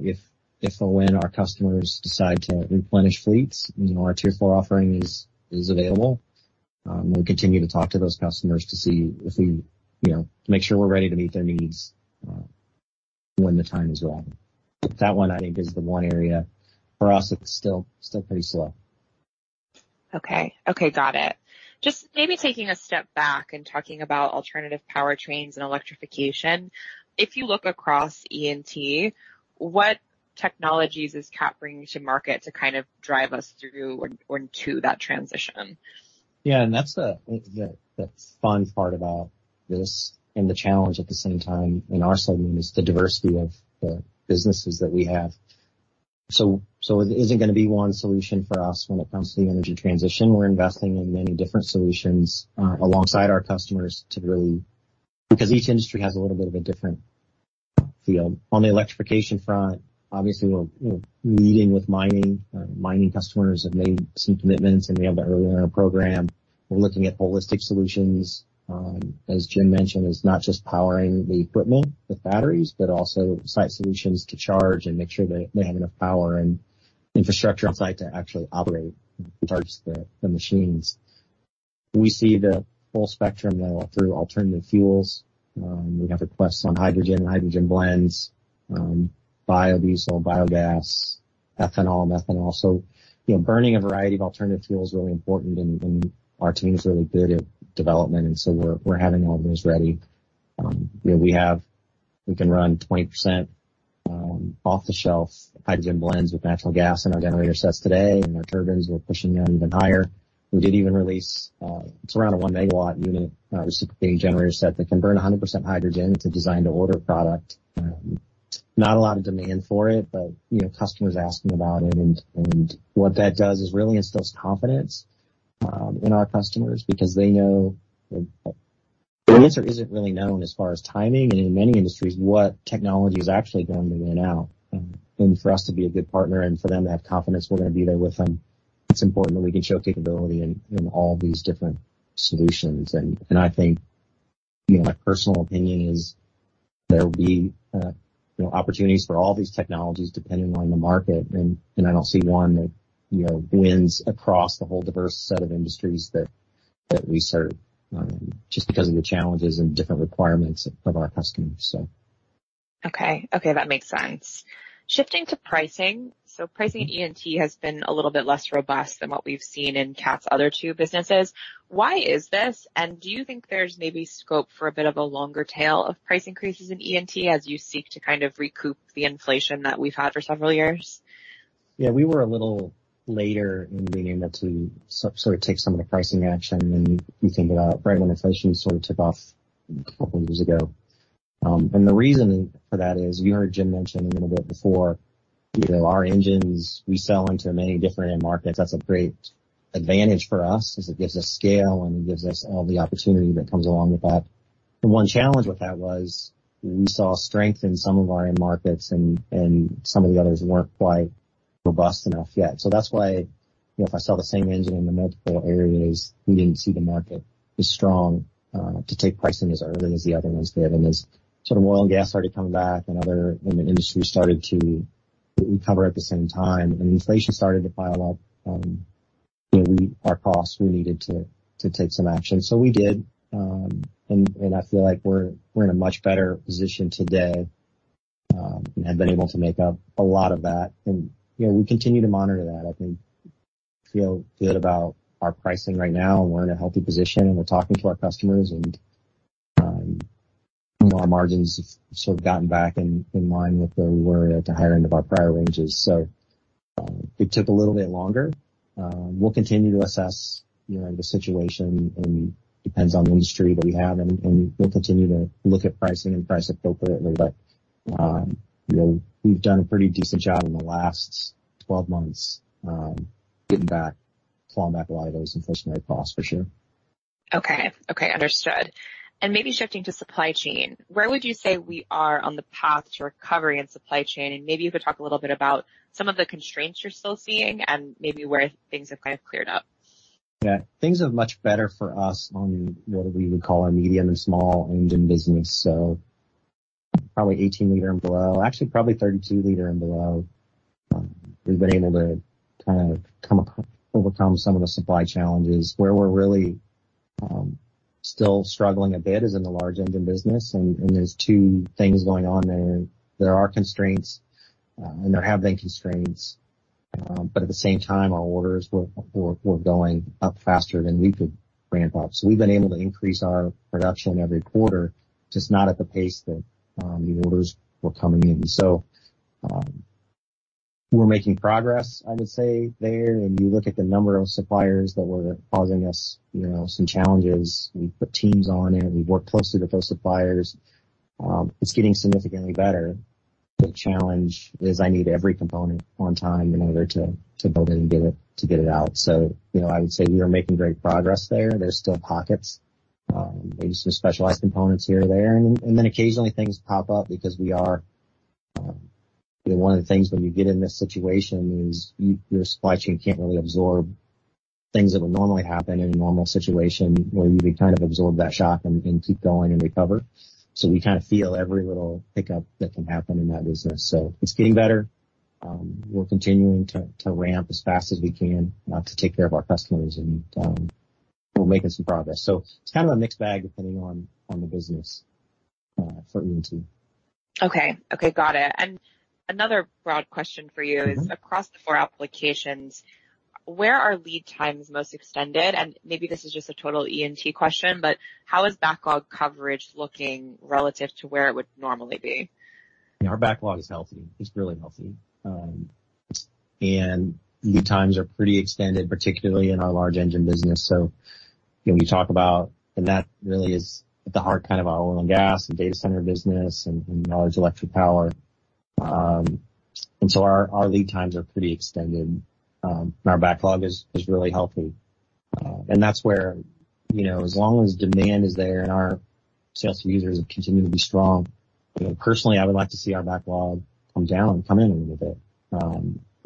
Speaker 4: if, if or when our customers decide to replenish fleets, you know, our tier four offering is, is available. We'll continue to talk to those customers to see if we, you know, to make sure we're ready to meet their needs when the time is right. That one, I think, is the one area for us, it's still, still pretty slow.
Speaker 1: Okay. Okay, got it. Just maybe taking a step back and talking about alternative powertrains and electrification. If you look across E&T, what technologies is Cat bringing to market to kind of drive us through or, or to that transition?
Speaker 4: Yeah, and that's the, the, the fun part about this, and the challenge at the same time, in our segment, is the diversity of the businesses that we have. So, it isn't gonna be one solution for us when it comes to the energy transition. We're investing in many different solutions, alongside our customers to really, because each industry has a little bit of a different feel. On the electrification front, obviously, we're, you know, leading with mining. Our mining customers have made some commitments, and we have that early in our program. We're looking at holistic solutions. As Jim mentioned, it's not just powering the equipment with batteries, but also site solutions to charge and make sure that they have enough power and infrastructure on site to actually operate, charge the, the machines. We see the full spectrum, though, through alternative fuels. We have requests on hydrogen and hydrogen blends, biodiesel, biogas, ethanol, methanol. You know, burning a variety of alternative fuel is really important, and our team's really good at development, and so we're having all those ready. You know, we can run 20% off-the-shelf hydrogen blends with natural gas in our generator sets today, and our turbines, we're pushing them even higher. We did even release, it's around a 1-megawatt unit, reciprocating generator set that can burn 100% hydrogen. It's a design to order product. Not a lot of demand for it, but, you know, customers are asking about it, and what that does is really instills confidence in our customers because they know the answer isn't really known as far as timing and in many industries, what technology is actually going to win out. For us to be a good partner and for them to have confidence we're going to be there with them, it's important that we can show capability in all these different solutions. I think, you know, my personal opinion is there will be, you know, opportunities for all these technologies, depending on the market, and I don't see one that, you know, wins across the whole diverse set of industries that we serve, just because of the challenges and different requirements of our customers.
Speaker 1: Okay. Okay, that makes sense. Shifting to pricing, so pricing at E&T has been a little bit less robust than what we've seen in Cat's other two businesses. Why is this, and do you think there's maybe scope for a bit of a longer tail of price increases in E&T as you seek to kind of recoup the inflation that we've had for several years?
Speaker 4: Yeah, we were a little later in being able to sort of take some of the pricing action, and you think about right when inflation sort of took off a couple of years ago. The reason for that is, you heard Jim mention a little bit before, you know, our engines, we sell into many different end markets. That's a great advantage for us, 'cause it gives us scale, and it gives us all the opportunity that comes along with that. The one challenge with that was we saw strength in some of our end markets and some of the others weren't quite robust enough yet. That's why, you know, if I sell the same engine in the multiple areas, we didn't see the market as strong to take pricing as early as the other ones did. As sort of Oil & Gas started to come back and other and the industry started to recover at the same time, and inflation started to pile up, you know, our costs, we needed to take some action. We did. I feel like we're, we're in a much better position today, and have been able to make up a lot of that. You know, we continue to monitor that. I think feel good about our pricing right now, and we're in a healthy position, and we're talking to our customers, and our margins have sort of gotten back in, in line with where we were at the higher end of our prior ranges. It took a little bit longer. We'll continue to assess, you know, the situation, and depends on the industry that we have, and, and we'll continue to look at pricing and price appropriately. You know, we've done a pretty decent job in the last 12 months, getting back, clawing back a lot of those inflationary costs, for sure.
Speaker 1: Okay. Okay, understood. Maybe shifting to supply chain, where would you say we are on the path to recovery in supply chain? Maybe you could talk a little bit about some of the constraints you're still seeing and maybe where things have kind of cleared up.
Speaker 4: Yeah. Things are much better for us on what we would call our Medium and Small Engine business. Probably 18 L and below. Actually, probably 32 L and below. We've been able to kind of overcome some of the supply challenges. Where we're really still struggling a bit is in the Large Engine business, and there's two things going on there. There are constraints, and there have been constraints, at the same time, our orders were going up faster than we could ramp up. We've been able to increase our production every quarter, just not at the pace that the orders were coming in. We're making progress, I would say, there. If you look at the number of suppliers that were causing us, you know, some challenges, we put teams on it. We worked closely with those suppliers. It's getting significantly better. The challenge is I need every component on time in order to build it and get it out. You know, I would say we are making great progress there. There's still pockets, maybe some specialized components here or there. Then occasionally things pop up because we are. You know, one of the things when you get in this situation is your supply chain can't really absorb things that would normally happen in a normal situation, where you would kind of absorb that shock and keep going and recover. We kind of feel every little hiccup that can happen in that business. It's getting better. We're continuing to, to ramp as fast as we can, to take care of our customers, and, we're making some progress. It's kind of a mixed bag, depending on, on the business, for E&T.
Speaker 1: Okay. Okay, got it. Another broad question for you-
Speaker 4: Mm-hmm.
Speaker 1: is across the four applications, where are lead times most extended? Maybe this is just a total E&T question, but how is backlog coverage looking relative to where it would normally be?
Speaker 4: Our backlog is healthy. It's really healthy. Lead times are pretty extended, particularly in our Large Engine business. That really is at the heart, kind of our Oil & Gas, the Data Center business and large electric power. Our lead times are pretty extended. Our backlog is really healthy. That's where, you know, as long as demand is there and our sales to users continue to be strong, you know, personally, I would like to see our backlog come down, come in a little bit,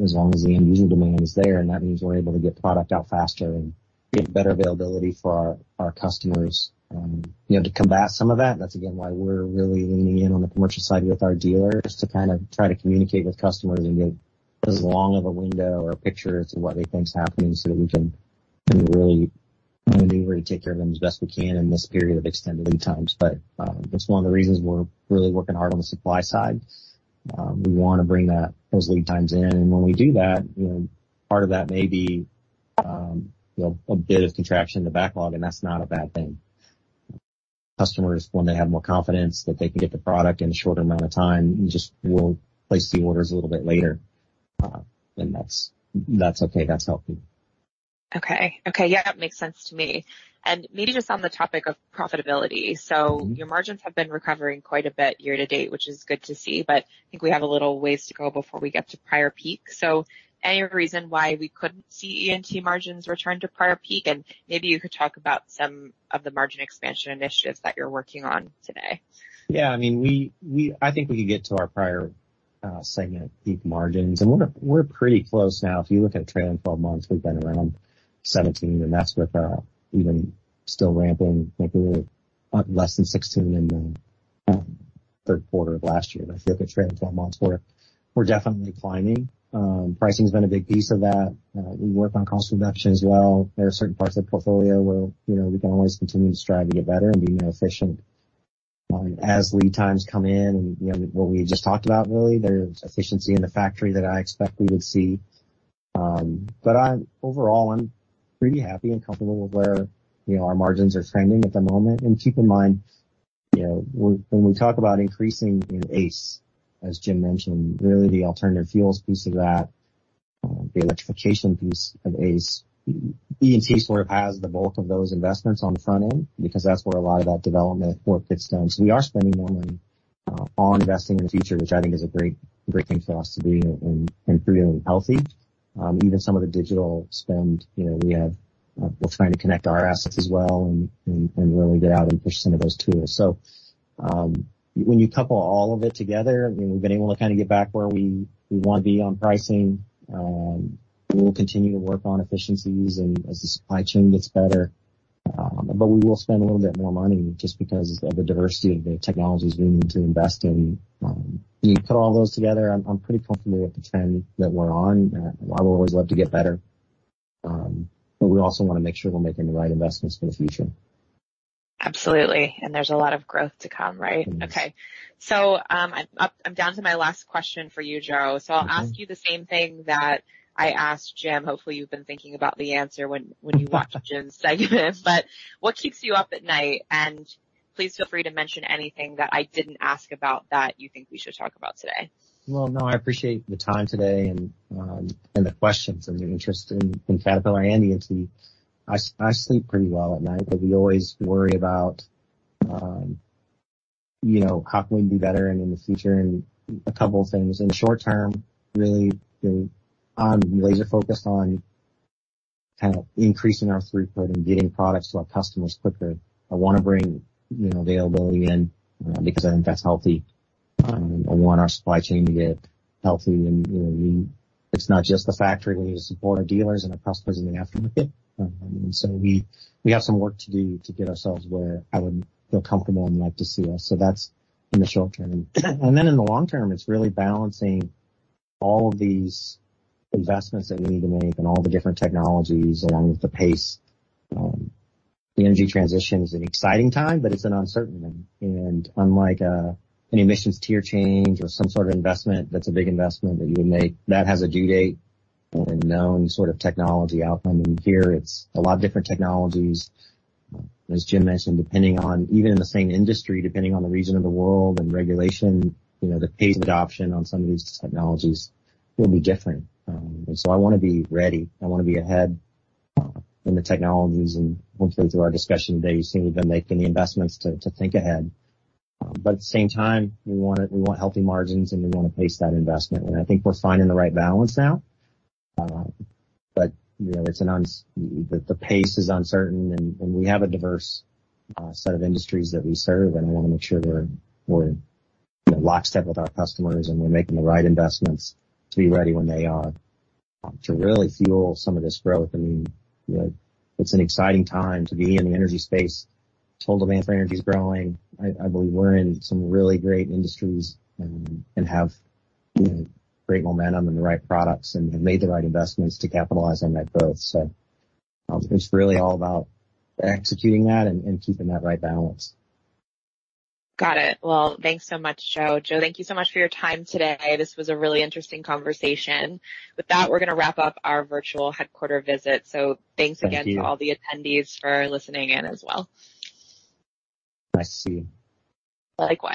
Speaker 4: as long as the end user demand is there, and that means we're able to get product out faster and get better availability for our customers. You know, to combat some of that, that's, again, why we're really leaning in on the commercial side with our dealers to kind of try to communicate with customers and get as long of a window or a picture as to what they think is happening so that we can really take care of them as best we can in this period of extended lead times. That's one of the reasons we're really working hard on the supply side. We wanna bring that, those lead times in, and when we do that, you know, part of that may be, you know, a bit of contraction to backlog, and that's not a bad thing. Customers, when they have more confidence that they can get the product in a shorter amount of time, just will place the orders a little bit later. That's, that's okay. That's healthy.
Speaker 1: Okay. Okay, yeah, that makes sense to me. Maybe just on the topic of profitability-
Speaker 4: Mm-hmm.
Speaker 1: Your margins have been recovering quite a bit year to date, which is good to see, but I think we have a little ways to go before we get to prior peak. Any reason why we couldn't see E&T margins return to prior peak? Maybe you could talk about some of the margin expansion initiatives that you're working on today.
Speaker 4: Yeah, I mean, I think we could get to our prior segment peak margins, and we're pretty close now. If you look at trailing 12 months, we've been around 17, and that's with even still ramping. I think we were up less than 16 in the third quarter of last year. If you look at trailing 12 months, we're definitely climbing. Pricing's been a big piece of that. We work on cost reduction as well. There are certain parts of the portfolio where, you know, we can always continue to strive to get better and be more efficient. As lead times come in and, you know, what we just talked about, really, there's efficiency in the factory that I expect we would see. I'm-- overall, I'm pretty happy and comfortable with where, you know, our margins are trending at the moment. Keep in mind, you know, when, when we talk about increasing in AACE, as Jim mentioned, really the alternative fuels piece of that, the electrification piece of AACE. E&T sort of has the bulk of those investments on the front end because that's where a lot of that development work gets done. We are spending more money on investing in the future, which I think is a great, great thing for us to be in, and pretty healthy. Even some of the digital spend, you know, we have, we're trying to connect our assets as well, and, and, and really get out and push some of those tools. When you couple all of it together, you know, we've been able to kind of get back where we, we wanna be on pricing. We'll continue to work on efficiencies and as the supply chain gets better, but we will spend a little bit more money just because of the diversity of the technologies we need to invest in. When you put all those together, I'm, I'm pretty comfortable with the trend that we're on. I would always love to get better, but we also wanna make sure we're making the right investments for the future.
Speaker 1: Absolutely. There's a lot of growth to come, right?
Speaker 4: Yes.
Speaker 1: Okay. I'm, I'm down to my last question for you, Joe.
Speaker 4: Mm-hmm.
Speaker 1: I'll ask you the same thing that I asked Jim. Hopefully, you've been thinking about the answer when, when you watched Jim's segment. What keeps you up at night? Please feel free to mention anything that I didn't ask about that you think we should talk about today.
Speaker 4: Well, no, I appreciate the time today and the questions and the interest in Caterpillar and E&T. I, I sleep pretty well at night, but we always worry about, you know, how can we be better and in the future? A couple of things. In the short term, really, you know, I'm laser focused on kind of increasing our throughput and getting products to our customers quicker. I wanna bring, you know, the availability in, because I think that's healthy. I want our supply chain to get healthy and, you know, we. It's not just the factory. We need to support our dealers and our customers in the aftermarket. We, we have some work to do to get ourselves where I would feel comfortable and like to see us. That's in the short term. Then in the long term, it's really balancing all of these investments that we need to make and all the different technologies along with the pace. The energy transition is an exciting time, but it's an uncertain one, unlike an emissions tier change or some sort of investment that's a big investment that you would make, that has a due date and a known sort of technology outcome. Here it's a lot of different technologies. As Jim mentioned, depending on even in the same industry, depending on the region of the world and regulation, you know, the pace of adoption on some of these technologies will be different. So I wanna be ready. I wanna be ahead in the technologies. Hopefully, through our discussion today, you've seen we've been making the investments to, to think ahead. At the same time, we want it, we want healthy margins, and we wanna pace that investment. I think we're finding the right balance now. You know, it's an the pace is uncertain, and we have a diverse set of industries that we serve, and I wanna make sure we're, you know, lockstep with our customers, and we're making the right investments to be ready when they are, to really fuel some of this growth. I mean, you know, it's an exciting time to be in the energy space. Total demand for energy is growing. I believe we're in some really great industries and have, you know, great momentum and the right products and have made the right investments to capitalize on that growth. It's really all about executing that and, and keeping that right balance.
Speaker 1: Got it. Well, thanks so much, Joe. Joe, thank you so much for your time today. This was a really interesting conversation. With that, we're gonna wrap up our virtual headquarter visit.
Speaker 4: Thank you.
Speaker 1: Thanks again to all the attendees for listening in as well.
Speaker 4: Nice seeing you.
Speaker 1: Likewise.